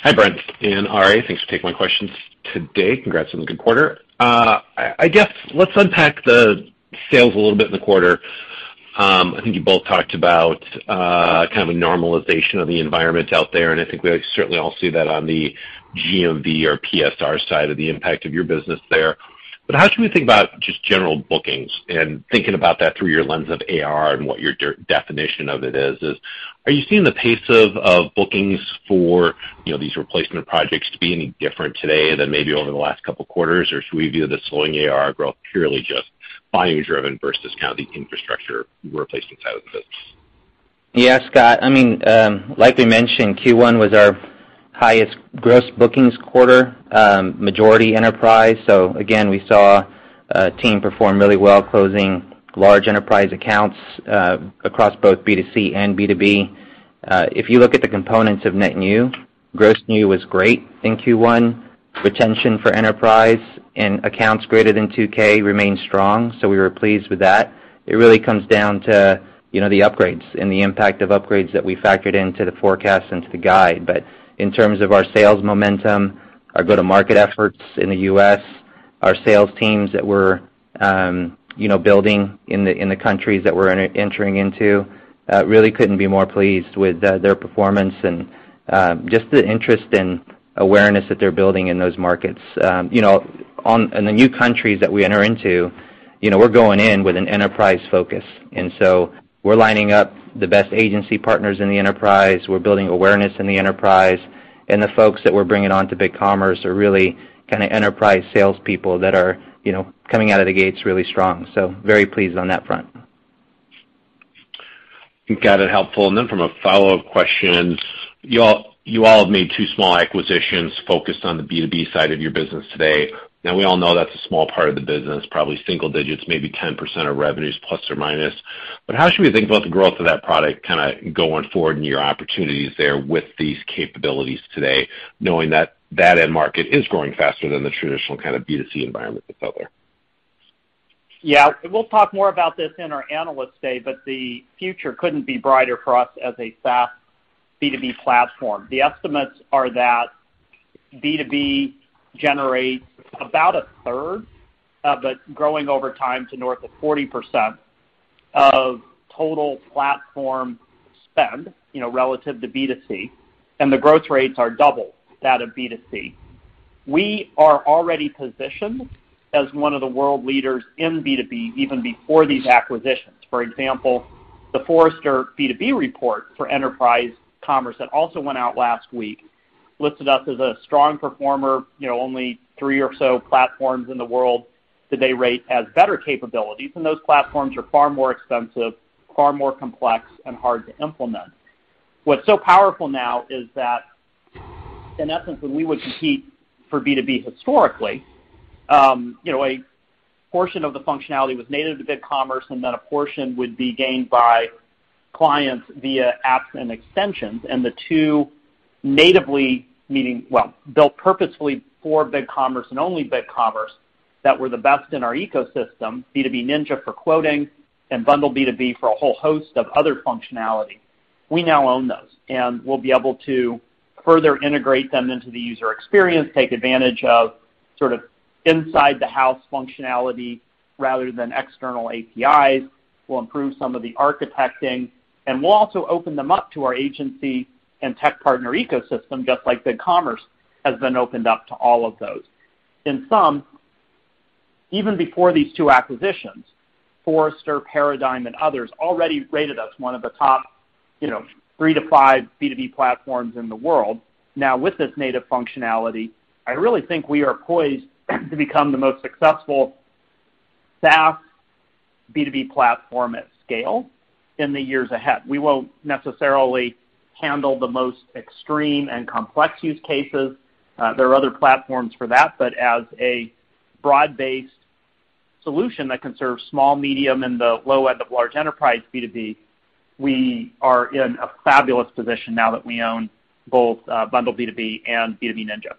Hi, Brent Bellm and Robert Alvarez. Thanks for taking my questions today. Congrats on the good quarter. I guess let's unpack the sales a little bit in the quarter. I think you both talked about kind of a normalization of the environment out there, and I think we certainly all see that on the GMV or PSR side of the impact of your business there. How should we think about just general bookings and thinking about that through your lens of AR and what your definition of it is? Are you seeing the pace of bookings for, you know, these replacement projects to be any different today than maybe over the last couple quarters, or should we view the slowing AR growth purely just volume driven versus kind of the infrastructure replacement side of the business? Yeah, Scott. I mean, like we mentioned, Q1 was our highest gross bookings quarter, majority enterprise. Again, we saw a team perform really well, closing large enterprise accounts, across both B2C and B2B. If you look at the components of net new, gross new was great in Q1. Retention for enterprise and accounts greater than 2K remained strong, so we were pleased with that. It really comes down to, you know, the upgrades and the impact of upgrades that we factored into the forecast into the guide. In terms of our sales momentum, our go-to-market efforts in the US, our sales teams that we're, you know, building in the countries that we're entering into, really couldn't be more pleased with their performance and just the interest and awareness that they're building in those markets. In the new countries that we enter into, you know, we're going in with an enterprise focus, and so we're lining up the best agency partners in the enterprise. We're building awareness in the enterprise, and the folks that we're bringing on to BigCommerce are really kinda enterprise salespeople that are, you know, coming out of the gates really strong. Very pleased on that front. Got it. Helpful. From a follow-up question, you all, you all have made two small acquisitions focused on the B2B side of your business today. Now, we all know that's a small part of the business, probably single digits, maybe 10% of revenues plus or minus. How should we think about the growth of that product kinda going forward and your opportunities there with these capabilities today, knowing that that end market is growing faster than the traditional kind of B2C environment that's out there? Yeah. We'll talk more about this in our Analyst Day, but the future couldn't be brighter for us as a SaaS B2B platform. The estimates are that B2B generates about 1/3 of, but growing over time to north of 40% of total platform spend, you know, relative to B2C, and the growth rates are double that of B2C. We are already positioned as one of the world leaders in B2B, even before these acquisitions. For example, the Forrester B2B report for enterprise commerce that also went out last week listed us as a strong performer. You know, only three or so platforms in the world did they rate as better capabilities, and those platforms are far more expensive, far more complex, and hard to implement. What's so powerful now is that, in essence, when we would compete for B2B historically, you know, a portion of the functionality was native to BigCommerce, and then a portion would be gained by clients via apps and extensions. The two natively, meaning, well, built purposefully for BigCommerce and only BigCommerce, that were the best in our ecosystem, B2B Ninja for quoting and BundleB2B for a whole host of other functionality. We now own those, and we'll be able to further integrate them into the user experience, take advantage of sort of inside the house functionality rather than external APIs, we'll improve some of the architecting, and we'll also open them up to our agency and tech partner ecosystem, just like BigCommerce has been opened up to all of those. In sum, even before these two acquisitions, Forrester, Paradigm, and others already rated us one of the top, you know, three to five B2B platforms in the world. Now, with this native functionality, I really think we are poised to become the most successful SaaS B2B platform at scale in the years ahead. We won't necessarily handle the most extreme and complex use cases. There are other platforms for that. As a broad-based solution that can serve small, medium, and the low end of large enterprise B2B, we are in a fabulous position now that we own both BundleB2B and B2B Ninja.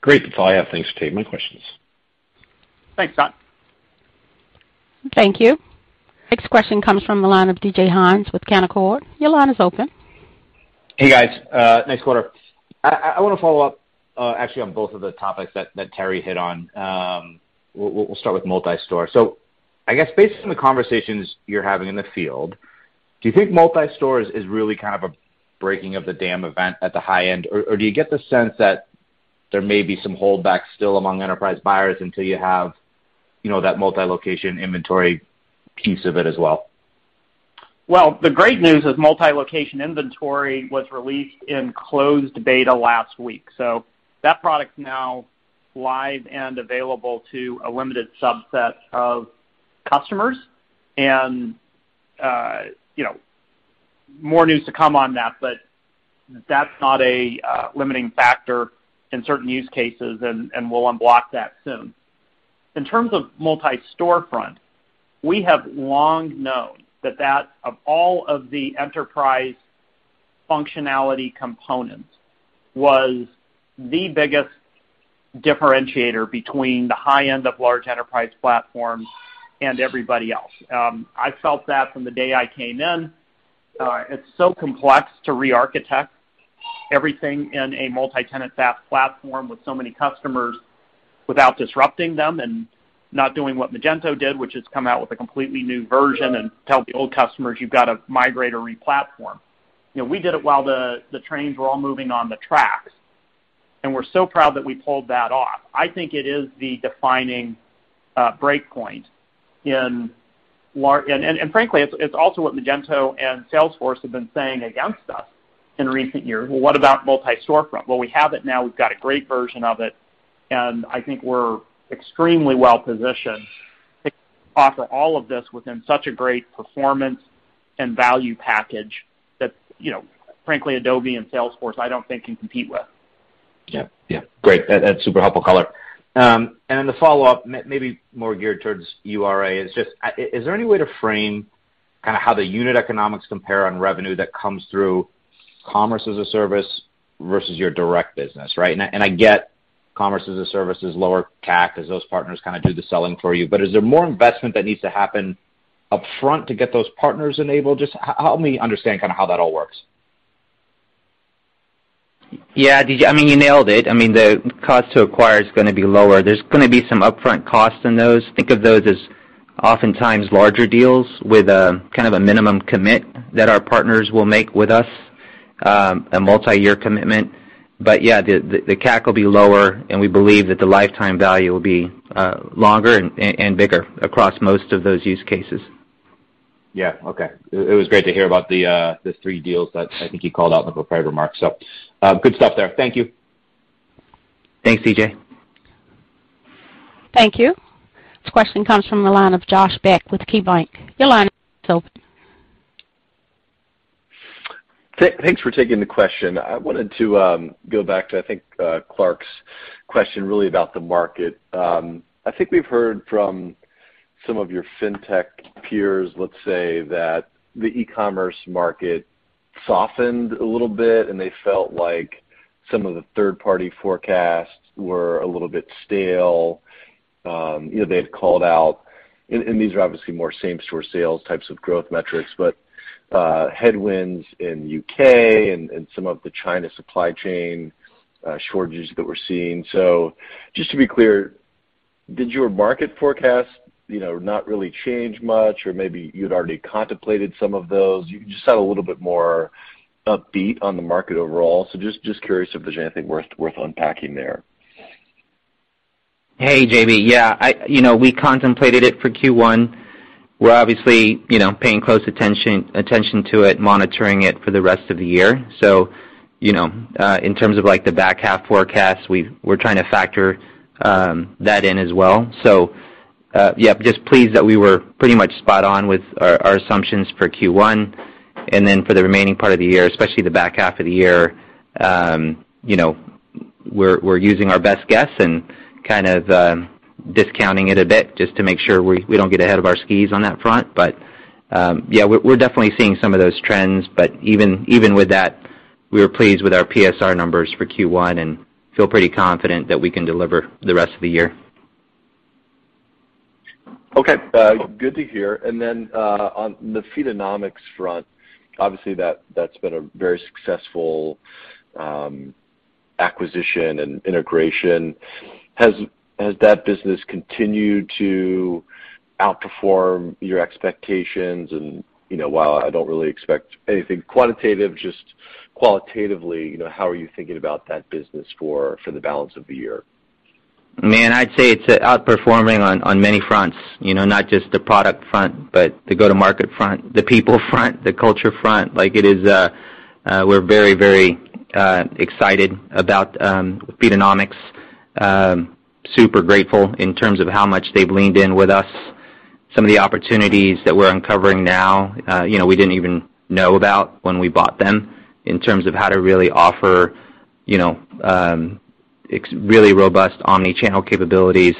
Great. That's all I have. Thanks, team. My questions. Thanks, Berg. Thank you. Next question comes from the line of David Hynes with Canaccord. Your line is open. Hey, guys. Nice quarter. I wanna follow up, actually on both of the topics that Terry hit on. We'll start with multi-store. I guess based on the conversations you're having in the field, do you think multi-stores is really kind of a breaking of the dam event at the high end? Or do you get the sense that there may be some holdback still among enterprise buyers until you have, you know, that multi-location inventory piece of it as well? Well, the great news is multi-location inventory was released in closed beta last week, so that product's now live and available to a limited subset of customers. You know, more news to come on that, but that's not a limiting factor in certain use cases, and we'll unblock that soon. In terms of Multi-Storefront, we have long known that that, of all of the enterprise functionality components, was the biggest differentiator between the high end of large enterprise platforms and everybody else. I felt that from the day I came in. It's so complex to re-architect everything in a multi-tenant SaaS platform with so many customers without disrupting them and not doing what Magento did, which is come out with a completely new version and tell the old customers, "You've got to migrate or re-platform." You know, we did it while the trains were all moving on the tracks, and we're so proud that we pulled that off. I think it is the defining breakpoint, and frankly, it's also what Magento and Salesforce have been saying against us in recent years. Well, what about multi-storefront? Well, we have it now. We've got a great version of it, and I think we're extremely well-positioned to offer all of this within such a great performance and value package that, you know, frankly, Adobe and Salesforce, I don't think can compete with. Yeah. Yeah. Great. That's super helpful color. The follow-up maybe more geared towards Robert Alvarez. It's just, is there any way to frame kinda how the unit economics compare on revenue that comes through Commerce as a Service versus your direct business, right? I get Commerce as a Service is lower CAC, 'cause those partners kinda do the selling for you. But is there more investment that needs to happen upfront to get those partners enabled? Just help me understand kinda how that all works. Yeah, David, I mean, you nailed it. I mean, the cost to acquire is gonna be lower. There's gonna be some upfront costs in those. Think of those as oftentimes larger deals with kind of a minimum commit that our partners will make with us, a multi-year commitment. But yeah, the CAC will be lower, and we believe that the lifetime value will be longer and bigger across most of those use cases. Yeah. Okay. It was great to hear about the three deals that I think you called out in the prepared remarks. Good stuff there. Thank you. Thanks, David. Thank you. This question comes from the line of Josh Beck with KeyBanc. Your line is open. Thanks for taking the question. I wanted to go back to, I think, Clarke's question really about the market. I think we've heard from some of your fintech peers, let's say, that the e-commerce market softened a little bit, and they felt like some of the third-party forecasts were a little bit stale. You know, they had called out, and these are obviously more same-store sales types of growth metrics, but headwinds in UK and some of the China supply chain shortages that we're seeing. Just to be clear, did your market forecast, you know, not really change much or maybe you'd already contemplated some of those? You just sound a little bit more upbeat on the market overall, so just curious if there's anything worth unpacking there. Hey, JB. Yeah, you know, we contemplated it for Q1. We're obviously, you know, paying close attention to it, monitoring it for the rest of the year. You know, in terms of like the back half forecast, we're trying to factor that in as well. Yeah, just pleased that we were pretty much spot on with our assumptions for Q1. Then for the remaining part of the year, especially the back half of the year, you know, we're using our best guess and kind of discounting it a bit just to make sure we don't get ahead of our skis on that front. Yeah, we're definitely seeing some of those trends, but even with that, we were pleased with our PSR numbers for Q1 and feel pretty confident that we can deliver the rest of the year. Okay. Good to hear. On the Feedonomics front, obviously, that's been a very successful acquisition and integration. Has that business continued to outperform your expectations? You know, while I don't really expect anything quantitative, just qualitatively, you know, how are you thinking about that business for the balance of the year? Man, I'd say it's outperforming on many fronts, you know, not just the product front, but the go-to-market front, the people front, the culture front. Like it is, we're very excited about Feedonomics. Super grateful in terms of how much they've leaned in with us. Some of the opportunities that we're uncovering now, you know, we didn't even know about when we bought them in terms of how to really offer, you know, really robust omni-channel capabilities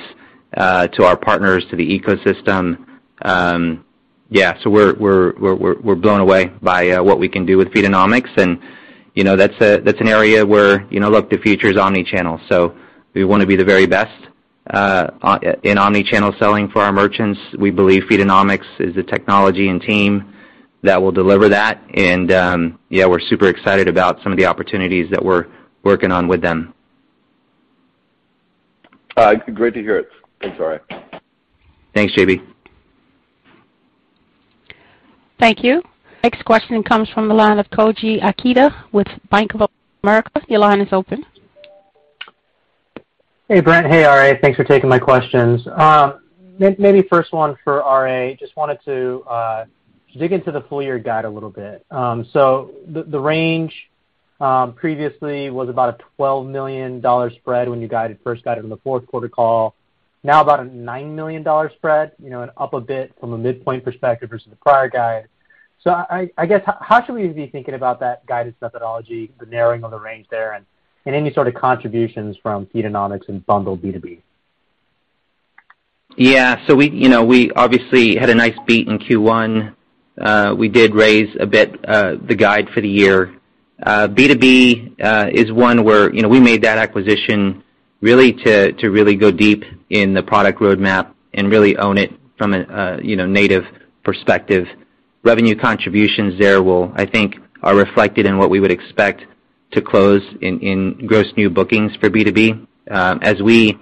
to our partners, to the ecosystem. Yeah, so we're blown away by what we can do with Feedonomics. You know, that's an area where, you know, look, the future is omni-channel, so we wanna be the very best in omni-channel selling for our merchants. We believe Feedonomics is the technology and team that will deliver that. Yeah, we're super excited about some of the opportunities that we're working on with them. All right. Great to hear it. Thanks, Robert Alvarez. Thanks, J.B. Thank you. Next question comes from the line of Koji Ikeda with Bank of America. Your line is open. Hey, Brent. Hey, Alvarez. Thanks for taking my questions. Maybe first one for Ari. Just wanted to dig into the full year guide a little bit. The range previously was about a $12 million spread when you guided, first guided on the fourth quarter call. Now about a $9 million spread, you know, and up a bit from a midpoint perspective versus the prior guide. I guess, how should we be thinking about that guidance methodology, the narrowing of the range there, and any sort of contributions from Feedonomics and BundleB2B? We, you know, obviously had a nice beat in Q1. We did raise the guide a bit for the year. B2B is one where, you know, we made that acquisition really to really go deep in the product roadmap and really own it from a native perspective. Revenue contributions there will, I think, are reflected in what we would expect to close in gross new bookings for B2B. As we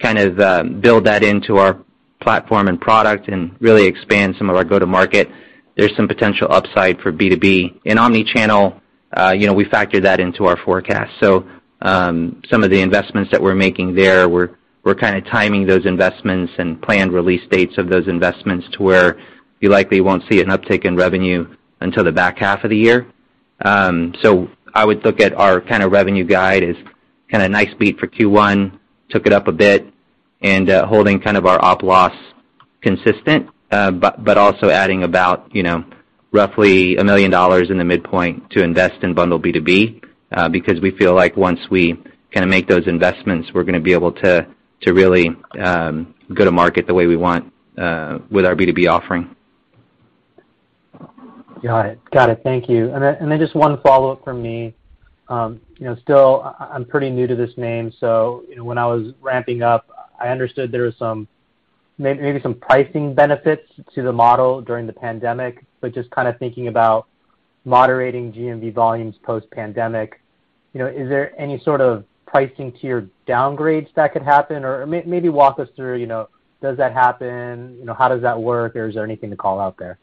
kind of build that into our platform and product and really expand some of our go-to-market, there's some potential upside for B2B. In omni-channel, you know, we factor that into our forecast. Some of the investments that we're making there, we're kind of timing those investments and planned release dates of those investments to where you likely won't see an uptick in revenue until the back half of the year. I would look at our kind of revenue guide as kind of nice beat for Q1, took it up a bit and holding kind of our operating loss consistent, but also adding about, you know, roughly $1 million in the midpoint to invest in BundleB2B, because we feel like once we kind of make those investments, we're going to be able to really go to market the way we want with our B2B offering. Got it. Thank you. Just one follow-up from me. You know, still I'm pretty new to this name, so you know, when I was ramping up, I understood there was some pricing benefits to the model during the pandemic, but just kinda thinking about moderating GMV volumes post pandemic, you know, is there any sort of pricing tier downgrades that could happen? Walk us through, you know, does that happen? You know, how does that work? Is there anything to call out there?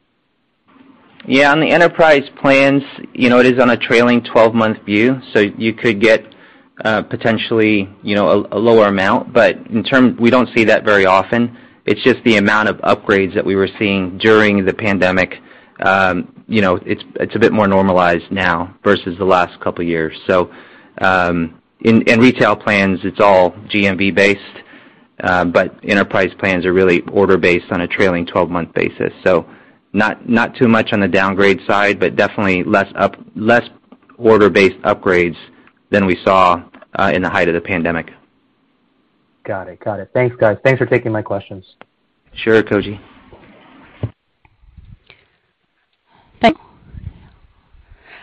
Yeah. On the enterprise plans, you know, it is on a trailing twelve-month view, so you could get, potentially, you know, a lower amount. In turn, we don't see that very often. It's just the amount of upgrades that we were seeing during the pandemic, you know, it's a bit more normalized now versus the last couple of years. In retail plans, it's all GMV-based, but enterprise plans are really order-based on a trailing twelve-month basis. Not too much on the downgrade side, but definitely less order-based upgrades than we saw in the height of the pandemic. Got it. Got it. Thanks, guys. Thanks for taking my questions. Sure, Koji.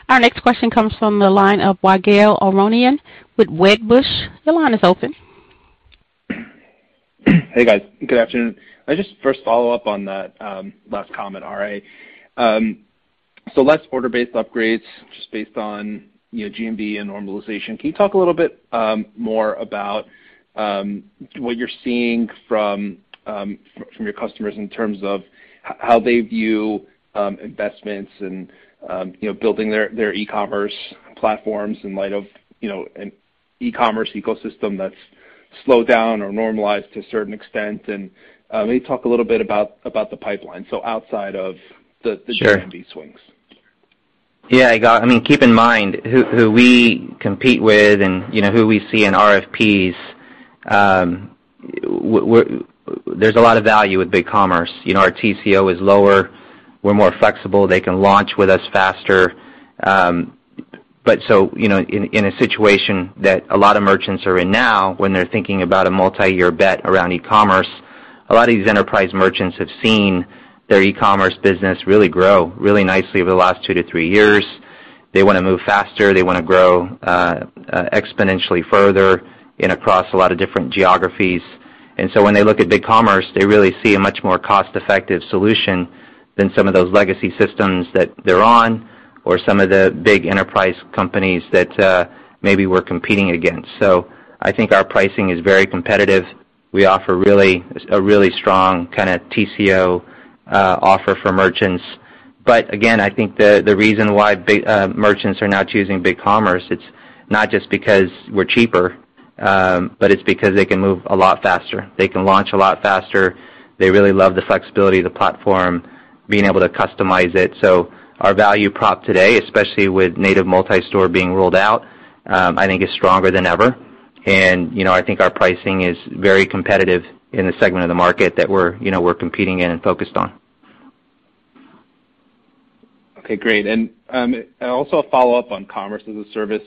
Our next question comes from the line of Ygal Arounian with Wedbush Securities. Your line is open. Hey, guys. Good afternoon. I just first follow up on that last comment, Robert Alvarez. Less order-based upgrades just based on, you know, GMV and normalization. Can you talk a little bit more about what you're seeing from your customers in terms of how they view investments and, you know, building their e-commerce platforms in light of, you know, an e-commerce ecosystem that's slowing down or normalize to a certain extent. Maybe talk a little bit about the pipeline outside of the- Sure the GMV swings. I mean, keep in mind who we compete with and, you know, who we see in RFPs. There's a lot of value with BigCommerce. You know, our TCO is lower, we're more flexible, they can launch with us faster. You know, in a situation that a lot of merchants are in now when they're thinking about a multiyear bet around e-commerce, a lot of these enterprise merchants have seen their e-commerce business really grow really nicely over the last two to three years. They wanna move faster. They wanna grow exponentially further and across a lot of different geographies. When they look at BigCommerce, they really see a much more cost-effective solution than some of those legacy systems that they're on, or some of the big enterprise companies that maybe we're competing against. I think our pricing is very competitive. We offer a really strong kinda TCO offer for merchants. Again, I think the reason why big merchants are now choosing BigCommerce, it's not just because we're cheaper, but it's because they can move a lot faster. They can launch a lot faster. They really love the flexibility of the platform, being able to customize it. Our value prop today, especially with native multi-store being rolled out, I think is stronger than ever. You know, I think our pricing is very competitive in the segment of the market that we're, you know, we're competing in and focused on. Okay, great. Also a follow-up on Commerce as a Service.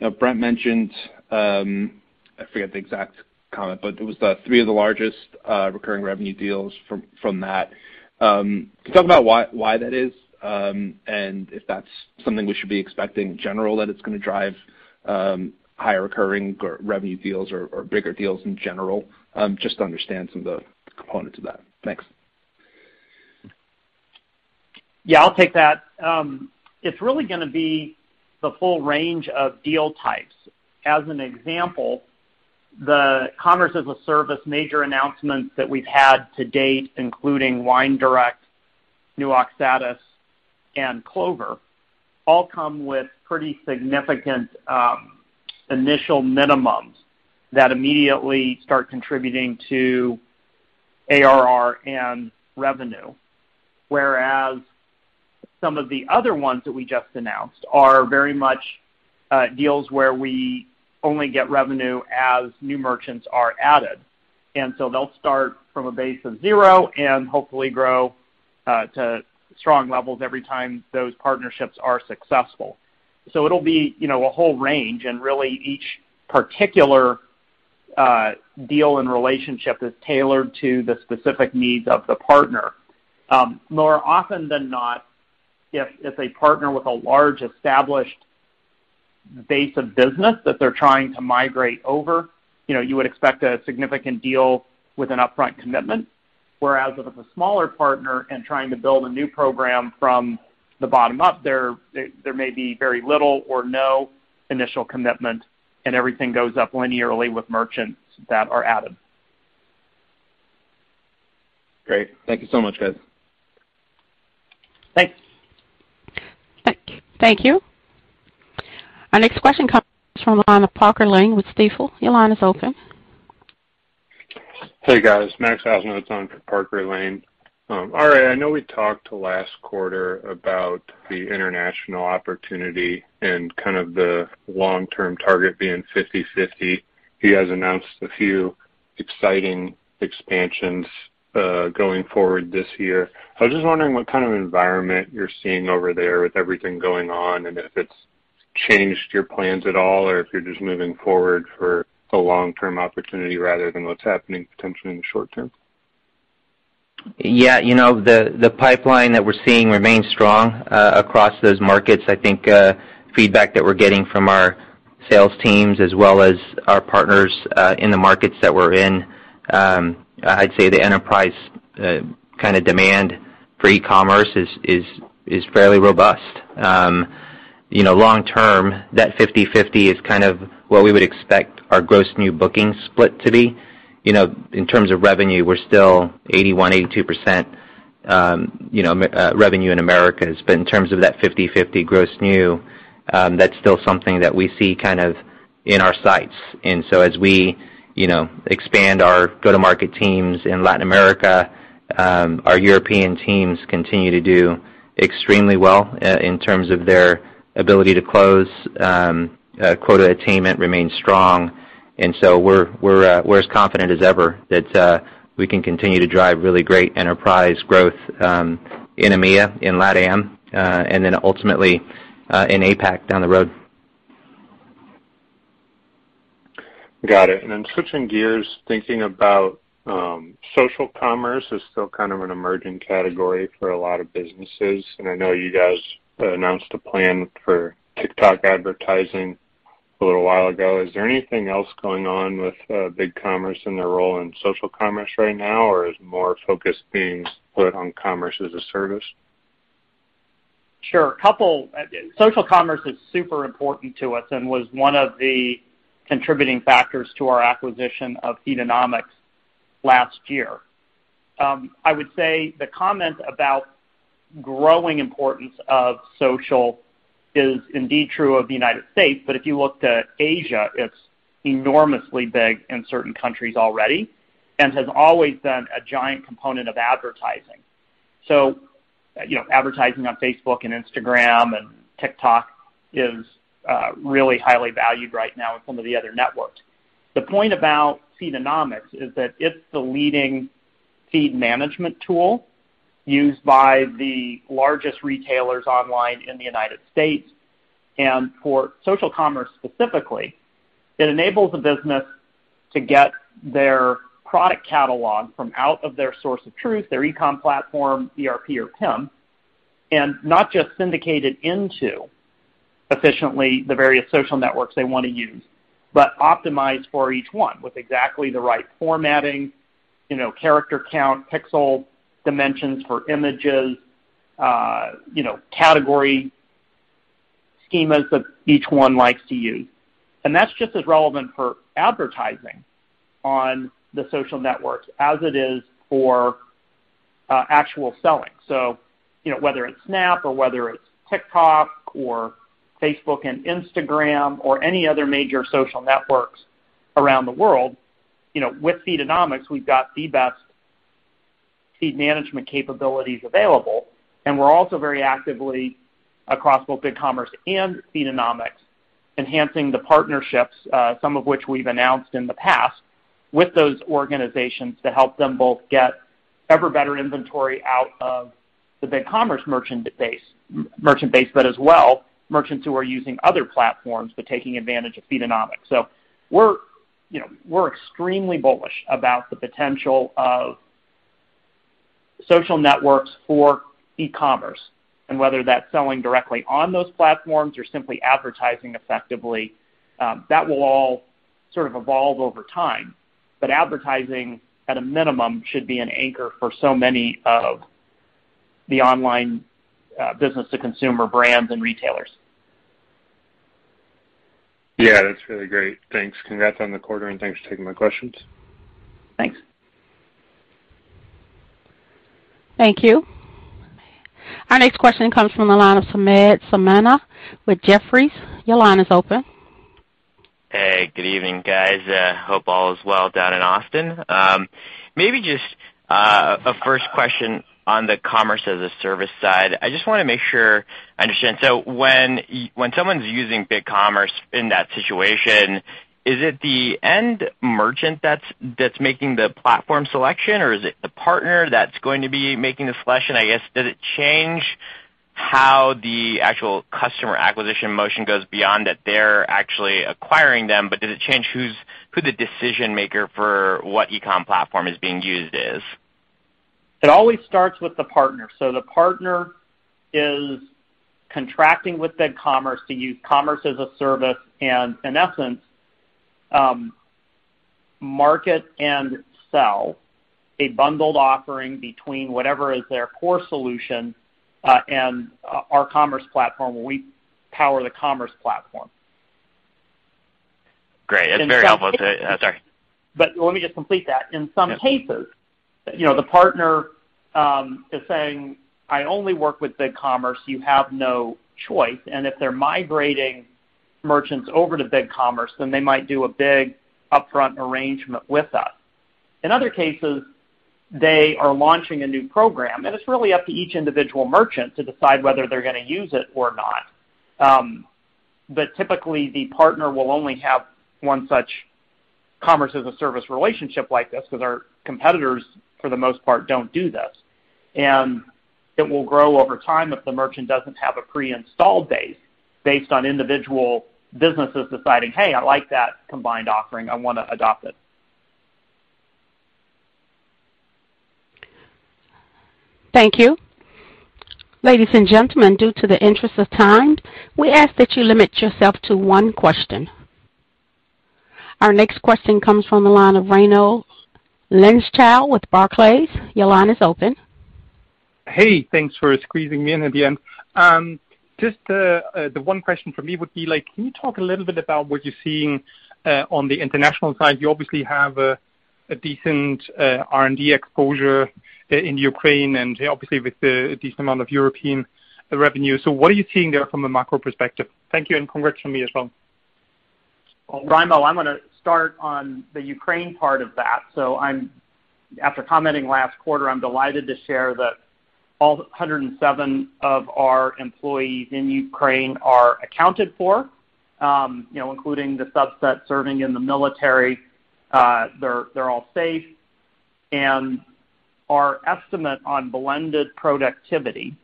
You know, Brent mentioned, I forget the exact comment, but it was the three of the largest recurring revenue deals from that. Can you talk about why that is, and if that's something we should be expecting in general, that it's gonna drive higher recurring or revenue deals or bigger deals in general, just to understand some of the components of that. Thanks. Yeah, I'll take that. It's really gonna be the full range of deal types. As an example, the Commerce as a Service major announcements that we've had to date, including WineDirect, Nuvei, and Clover, all come with pretty significant initial minimums that immediately start contributing to ARR and revenue. Whereas some of the other ones that we just announced are very much deals where we only get revenue as new merchants are added. They'll start from a base of zero and hopefully grow to strong levels every time those partnerships are successful. It'll be, you know, a whole range, and really each particular deal and relationship is tailored to the specific needs of the partner. More often than not, if they partner with a large established base of business that they're trying to migrate over, you know, you would expect a significant deal with an upfront commitment. Whereas with a smaller partner and trying to build a new program from the bottom up, there may be very little or no initial commitment, and everything goes up linearly with merchants that are added. Great. Thank you so much, guys. Thanks. Thank you. Our next question comes from the line of Parker Lane with Stifel. Your line is open. Hey, guys. [Max Scervino] on for Parker Lane. Robert Alvarez, I know we talked last quarter about the international opportunity and kind of the long-term target being 50/50. You guys announced a few exciting expansions, going forward this year. I was just wondering what kind of environment you're seeing over there with everything going on, and if it's changed your plans at all or if you're just moving forward for a long-term opportunity rather than what's happening potentially in the short term. Yeah, you know, the pipeline that we're seeing remains strong across those markets. I think feedback that we're getting from our sales teams as well as our partners in the markets that we're in. I'd say the enterprise kinda demand for e-commerce is fairly robust. You know, long term, that 50/50 is kind of what we would expect our gross new bookings split to be. You know, in terms of revenue, we're still 81%-82% most revenue in Americas. But in terms of that 50/50 gross new, that's still something that we see kind of in our sights. As we, you know, expand our go-to-market teams in Latin America, our European teams continue to do extremely well in terms of their ability to close. Quota attainment remains strong, and so we're as confident as ever that we can continue to drive really great enterprise growth in EMEA, in LATAM, and then ultimately in APAC down the road. Got it. Switching gears, thinking about social commerce is still kind of an emerging category for a lot of businesses, and I know you guys announced a plan for TikTok advertising a little while ago. Is there anything else going on with BigCommerce and their role in social commerce right now, or is more focus being put on Commerce as a Service? Sure. Social commerce is super important to us and was one of the contributing factors to our acquisition of Feedonomics last year. I would say the comment about growing importance of social is indeed true of the United States. If you look to Asia, it's enormously big in certain countries already and has always been a giant component of advertising. You know, advertising on Facebook and Instagram and TikTok is really highly valued right now in some of the other networks. The point about Feedonomics is that it's the leading feed management tool used by the largest retailers online in the United States. For social commerce specifically, it enables a business to get their product catalog from out of their source of truth, their e-com platform, ERP or PIM, and not just syndicate it into efficiently the various social networks they want to use, but optimize for each one with exactly the right formatting, you know, character count, pixel dimensions for images, you know, category schemas that each one likes to use. That's just as relevant for advertising on the social networks as it is for actual selling. You know, whether it's Snap or whether it's TikTok or Facebook and Instagram or any other major social networks around the world, you know, with Feedonomics, we've got the best feed management capabilities available, and we're also very actively across both BigCommerce and Feedonomics, enhancing the partnerships, some of which we've announced in the past, with those organizations to help them both get ever better inventory out of the BigCommerce merchant base, but as well, merchants who are using other platforms but taking advantage of Feedonomics. We're, you know, we're extremely bullish about the potential of social networks for e-commerce and whether that's selling directly on those platforms or simply advertising effectively, that will all sort of evolve over time. Advertising at a minimum should be an anchor for so many of the online, business to consumer brands and retailers. Yeah, that's really great. Thanks. Congrats on the quarter, and thanks for taking my questions. Thanks. Thank you. Our next question comes from the line of Samad Samana with Jefferies. Your line is open. Hey, good evening, guys. Hope all is well down in Austin. Maybe just a first question on the commerce as a service side. I just wanna make sure I understand. So when someone is using BigCommerce in that situation, is it the end merchant that's making the platform selection, or is it the partner that's going to be making the selection? I guess does it change how the actual customer acquisition motion goes beyond that they're actually acquiring them, but does it change who the decision maker for what e-com platform is being used is? It always starts with the partner. The partner is contracting with BigCommerce to use Commerce as a Service and in essence, market and sell a bundled offering between whatever is their core solution, and our commerce platform, where we power the commerce platform. Great. That's very helpful. Sorry. Let me just complete that. In some cases, you know, the partner is saying, "I only work with BigCommerce, you have no choice." And if they're migrating merchants over to BigCommerce, then they might do a big upfront arrangement with us. In other cases, they are launching a new program, and it's really up to each individual merchant to decide whether they're gonna use it or not. But typically the partner will only have one such Commerce as a Service relationship like this because our competitors, for the most part, don't do this. And it will grow over time if the merchant doesn't have a pre-installed base based on individual businesses deciding, "Hey, I like that combined offering. I wanna adopt it. Thank you. Ladies and gentlemen, in the interest of time, we ask that you limit yourself to one question. Our next question comes from the line of Raimo Lenschow with Barclays. Your line is open. Hey, thanks for squeezing me in at the end. Just the one question from me would be like, can you talk a little bit about what you're seeing on the international side? You obviously have a decent R&D exposure in Ukraine and obviously with a decent amount of European revenue. What are you seeing there from a macro perspective? Thank you, and congrats from me as well. Well, Raimo, I'm gonna start on the Ukraine part of that. After commenting last quarter, I'm delighted to share that all 107 of our employees in Ukraine are accounted for, you know, including the subset serving in the military. They're all safe. Our estimate on blended productivity,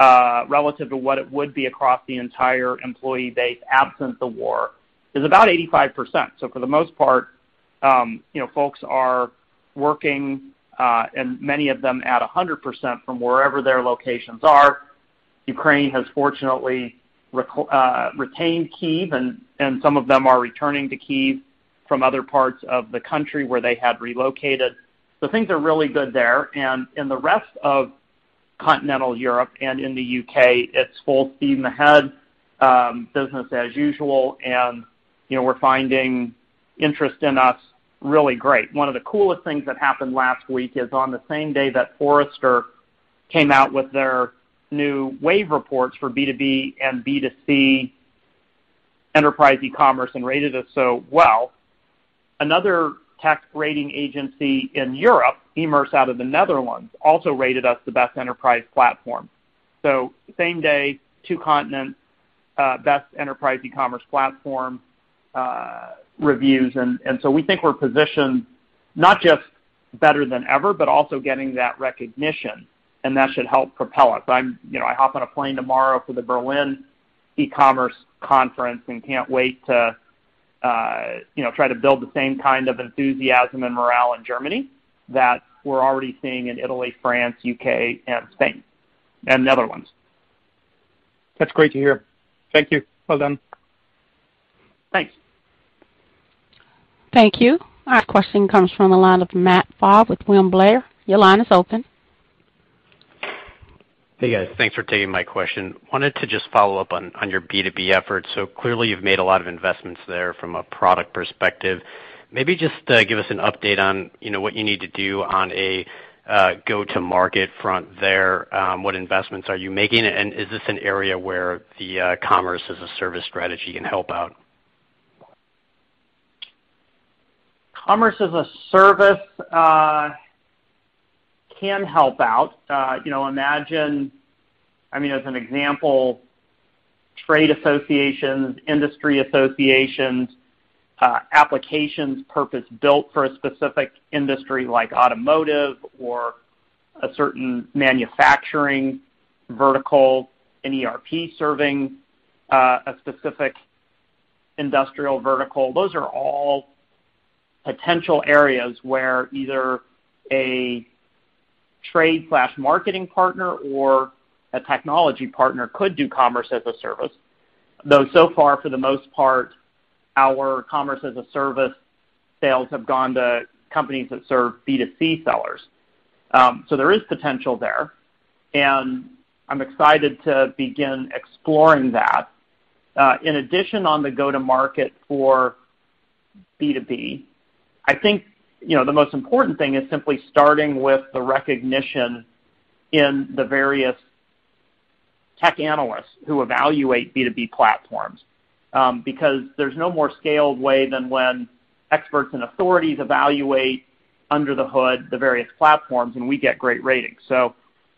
relative to what it would be across the entire employee base absent the war, is about 85%. For the most part, you know, folks are working, and many of them at 100% from wherever their locations are. Ukraine has fortunately retained Kyiv, and some of them are returning to Kyiv from other parts of the country where they had relocated. Things are really good there. In the rest of Continental Europe and in the U.K., it's full steam ahead, business as usual. You know, we're finding interest in us really great. One of the coolest things that happened last week is on the same day that Forrester came out with their new Wave reports for B2B and B2C enterprise e-commerce and rated us so well, another tech rating agency in Europe, Emerce, out of the Netherlands, also rated us the best enterprise platform. Same day, two continents, best enterprise e-commerce platform reviews. So we think we're positioned not just better than ever, but also getting that recognition, and that should help propel us. You know, I hop on a plane tomorrow for the Berlin E-Commerce Conference and can't wait to, you know, try to build the same kind of enthusiasm and morale in Germany that we're already seeing in Italy, France, U.K., Spain, and Netherlands. That's great to hear. Thank you. Well done. Thanks. Thank you. Our question comes from the line of Matt Pfau with William Blair. Your line is open. Hey, guys. Thanks for taking my question. Wanted to just follow up on your B2B efforts. Clearly you've made a lot of investments there from a product perspective. Maybe just give us an update on, you know, what you need to do on a go-to-market front there. What investments are you making, and is this an area where the commerce as a service strategy can help out? Commerce as a Service can help out. You know, imagine, I mean, as an example, trade associations, industry associations, applications purpose-built for a specific industry like automotive or a certain manufacturing vertical, an ERP serving a specific industrial vertical. Those are all potential areas where either a trade/marketing partner or a technology partner could do Commerce as a Service. Though, so far, for the most part, our Commerce as a Service sales have gone to companies that serve B2C sellers. There is potential there, and I'm excited to begin exploring that. In addition on the go-to-market for B2B, I think, you know, the most important thing is simply starting with the recognition in the various tech analysts who evaluate B2B platforms, because there's no more scaled way than when experts and authorities evaluate under the hood the various platforms, and we get great ratings.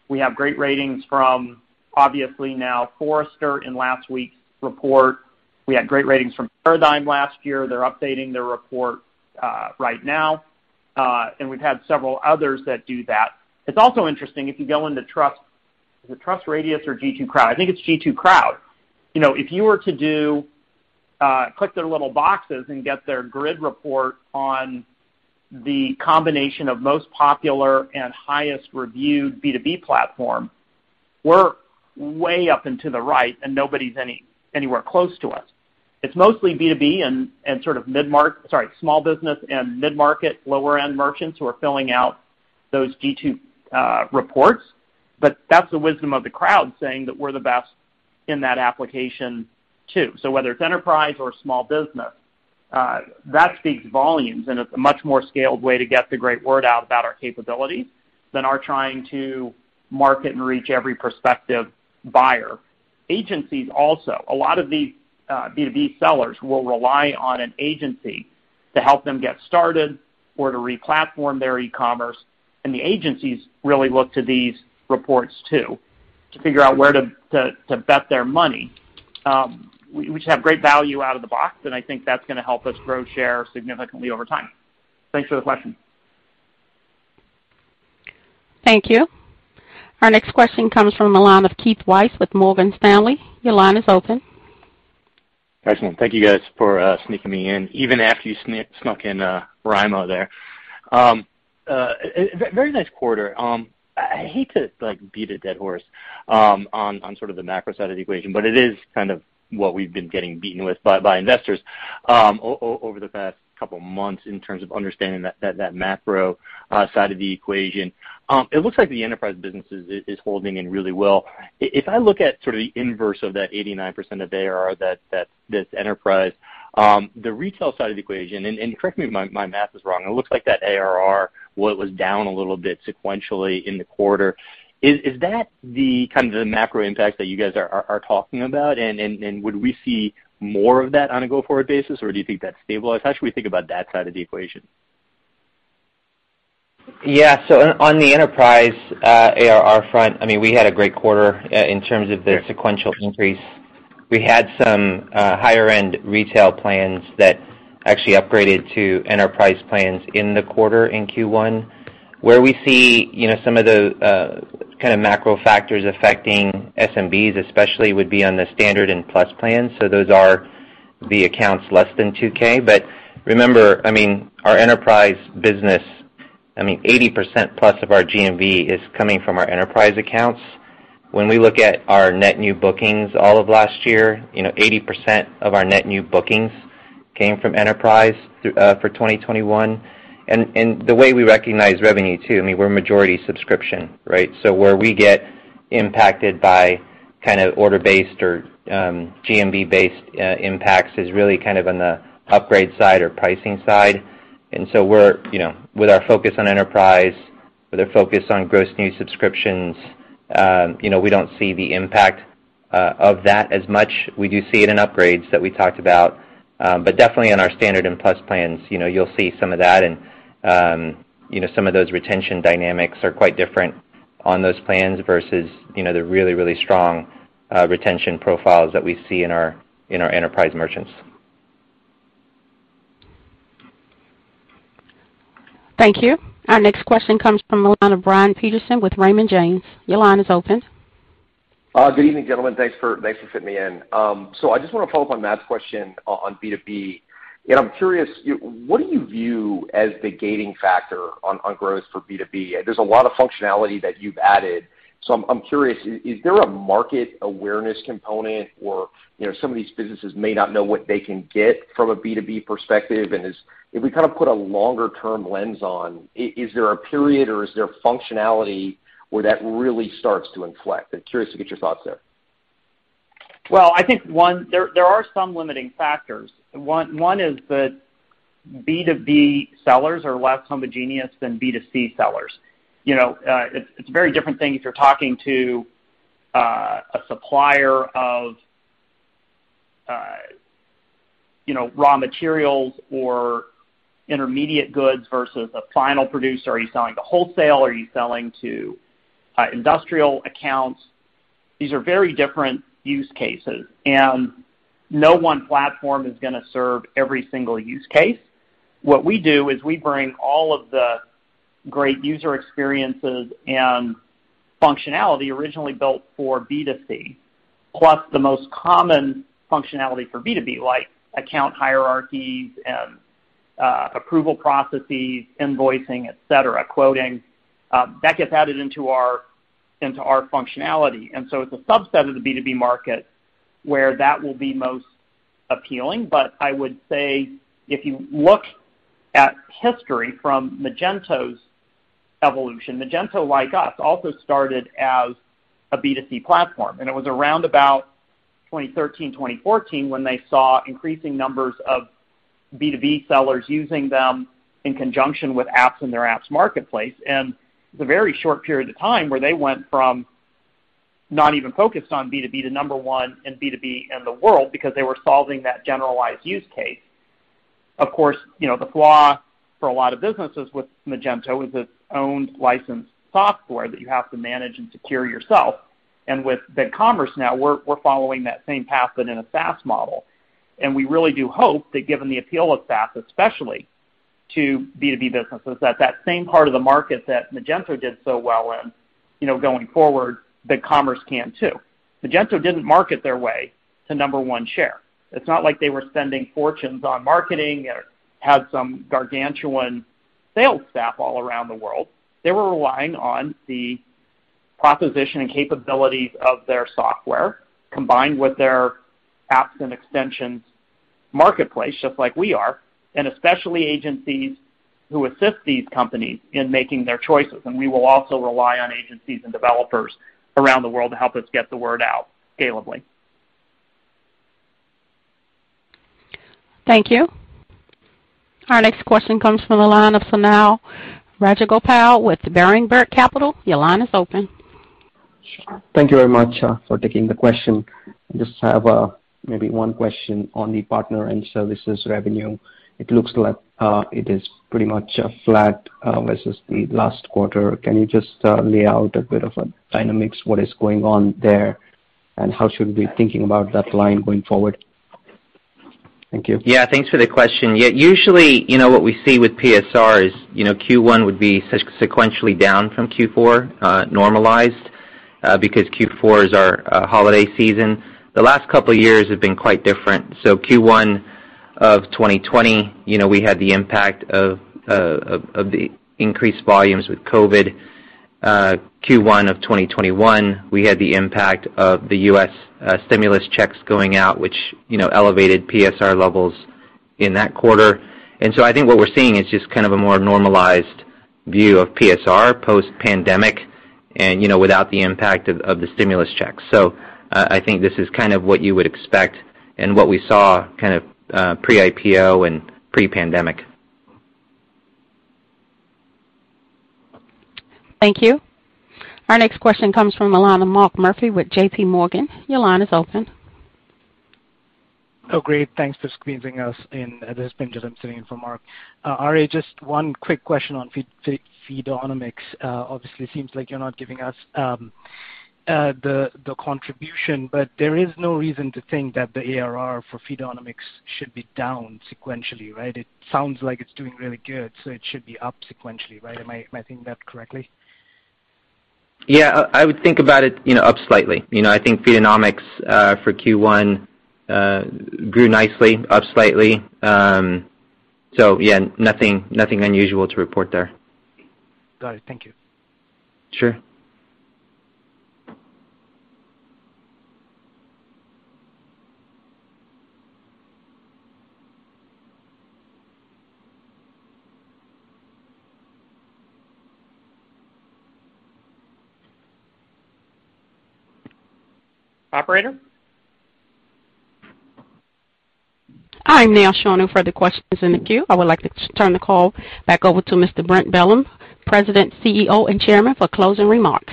We have great ratings from obviously now Forrester in last week's report. We had great ratings from Paradigm last year. They're updating their report right now. We've had several others that do that. It's also interesting if you go into TrustRadius. Is it TrustRadius or G2 Crowd? I think it's G2 Crowd. You know, if you were to do click their little boxes and get their grid report on the combination of most popular and highest reviewed B2B platform, we're way up into the right and nobody's anywhere close to us. It's mostly B2B and sort of mid-market. Sorry, small business and mid-market lower-end merchants who are filling out those G2 reports, but that's the wisdom of the crowd saying that we're the best in that application too. So whether it's enterprise or small business, that speaks volumes, and it's a much more scaled way to get the great word out about our capabilities than our trying to market and reach every prospective buyer. Agencies also, a lot of these B2B sellers will rely on an agency to help them get started or to re-platform their e-commerce, and the agencies really look to these reports too, to figure out where to bet their money. We just have great value out of the box, and I think that's gonna help us grow share significantly over time. Thanks for the question. Thank you. Our next question comes from the line of Keith Weiss with Morgan Stanley. Your line is open. Excellent. Thank you guys for sneaking me in, even after you snuck in Raimo Lenschow there. Very nice quarter. I hate to like beat a dead horse on sort of the macro side of the equation, but it is kind of what we've been getting beaten with by investors over the past couple months in terms of understanding that macro side of the equation. It looks like the enterprise business is holding in really well. If I look at sort of the inverse of that 89% of ARR that's enterprise, the retail side of the equation, and correct me if my math is wrong, it looks like that ARR was down a little bit sequentially in the quarter. Is that the kind of macro impact that you guys are talking about? Would we see more of that on a go-forward basis, or do you think that's stabilized? How should we think about that side of the equation? Yeah. On the enterprise ARR front, I mean, we had a great quarter in terms of the sequential increase. We had some higher end retail plans that actually upgraded to enterprise plans in the quarter in Q1. Where we see, you know, some of the kind of macro factors affecting SMBs especially would be on the standard and plus plans. Those are the accounts less than 2K. Remember, I mean, our enterprise business, I mean 80% plus of our GMV is coming from our enterprise accounts. When we look at our net new bookings all of last year, 80% of our net new bookings came from enterprise for 2021. The way we recognize revenue too, I mean, we're majority subscription, right? Where we get impacted by kind of order-based or GMV-based impacts is really kind of on the upgrade side or pricing side. We're, you know, with our focus on enterprise, with our focus on gross new subscriptions, you know, we don't see the impact of that as much. We do see it in upgrades that we talked about. Definitely in our standard and plus plans, you know, you'll see some of that and, you know, some of those retention dynamics are quite different on those plans versus, you know, the really strong retention profiles that we see in our enterprise merchants. Thank you. Our next question comes from the line of Brian Peterson with Raymond James. Your line is open. Good evening, gentlemen. Thanks for fitting me in. So I just wanna follow up on Matt's question on B2B. You know, I'm curious, what do you view as the gating factor on growth for B2B? There's a lot of functionality that you've added. So I'm curious, is there a market awareness component or, you know, some of these businesses may not know what they can get from a B2B perspective? If we kind of put a longer-term lens on, is there a period or is there functionality where that really starts to inflect? I'm curious to get your thoughts there. Well, I think there are some limiting factors. One is that B2B sellers are less homogeneous than B2C sellers. You know, it's a very different thing if you're talking to a supplier of you know raw materials or intermediate goods versus a final producer. Are you selling to wholesale? Are you selling to industrial accounts? These are very different use cases, and no one platform is gonna serve every single use case. What we do is we bring all of the great user experiences and functionality originally built for B2C, plus the most common functionality for B2B, like account hierarchies and approval processes, invoicing, et cetera, quoting. That gets added into our functionality. It's a subset of the B2B market where that will be most appealing. I would say if you look at history from Magento's evolution, Magento, like us, also started as a B2C platform, and it was around about 2013, 2014 when they saw increasing numbers of B2B sellers using them in conjunction with apps in their apps marketplace. It's a very short period of time where they went from not even focused on B2B to number one in B2B in the world because they were solving that generalized use case. Of course, you know, the flaw for a lot of businesses with Magento is its own licensed software that you have to manage and secure yourself. With BigCommerce now, we're following that same path but in a SaaS model. We really do hope that given the appeal of SaaS, especially to B2B businesses, that that same part of the market that Magento did so well in, you know, going forward, BigCommerce can too. Magento didn't market their way to number one share. It's not like they were spending fortunes on marketing or had some gargantuan sales staff all around the world. They were relying on the proposition and capabilities of their software combined with their apps and extensions marketplace, just like we are, and especially agencies who assist these companies in making their choices. We will also rely on agencies and developers around the world to help us get the word out scalably. Thank you. Our next question comes from the line of Sonal Rajagopal with Barrington Research. Your line is open. Sure. Thank you very much for taking the question. I just have maybe one question on the partner and services revenue. It looks like it is pretty much flat versus the last quarter. Can you just lay out a bit of a dynamics, what is going on there, and how should we be thinking about that line going forward? Thank you. Yeah. Thanks for the question. Yeah, usually, you know, what we see with PSR is, you know, Q1 would be sequentially down from Q4, normalized, because Q4 is our holiday season. The last couple years have been quite different. Q1 of 2020, you know, we had the impact of the increased volumes with COVID. Q1 of 2021, we had the impact of the US stimulus checks going out, which, you know, elevated PSR levels in that quarter. I think what we're seeing is just kind of a more normalized view of PSR post-pandemic and, you know, without the impact of the stimulus checks. I think this is kind of what you would expect and what we saw kind of pre-IPO and pre-pandemic. Thank you. Our next question comes from the line of Mark Murphy with JPMorgan. Your line is open. Oh, great. Thanks for squeezing us in. This is Benji. I'm sitting in for Mark. Alvarez, just one quick question on Feedonomics. Obviously seems like you're not giving us the contribution, but there is no reason to think that the ARR for Feedonomics should be down sequentially, right? It sounds like it's doing really good, so it should be up sequentially, right? Am I hearing that correctly? Yeah. I would think about it, you know, up slightly. You know, I think Feedonomics for Q1 grew nicely, up slightly. Yeah, nothing unusual to report there. Got it. Thank you. Sure. Operator? I now show no further questions in the queue. I would like to turn the call back over to Mr. Brent Bellm, President, CEO, and Chairman, for closing remarks.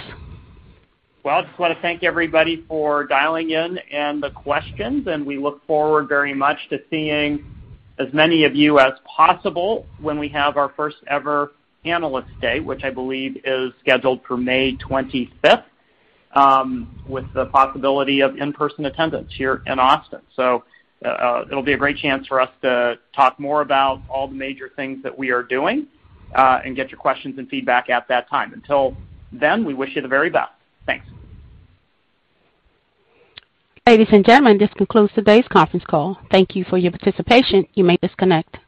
Well, I just wanna thank everybody for dialing in and the questions, and we look forward very much to seeing as many of you as possible when we have our first ever analyst day, which I believe is scheduled for 25th May, with the possibility of in-person attendance here in Austin. It'll be a great chance for us to talk more about all the major things that we are doing, and get your questions and feedback at that time. Until then, we wish you the very best. Thanks. Ladies and gentlemen, this concludes today's conference call. Thank you for your participation. You may disconnect.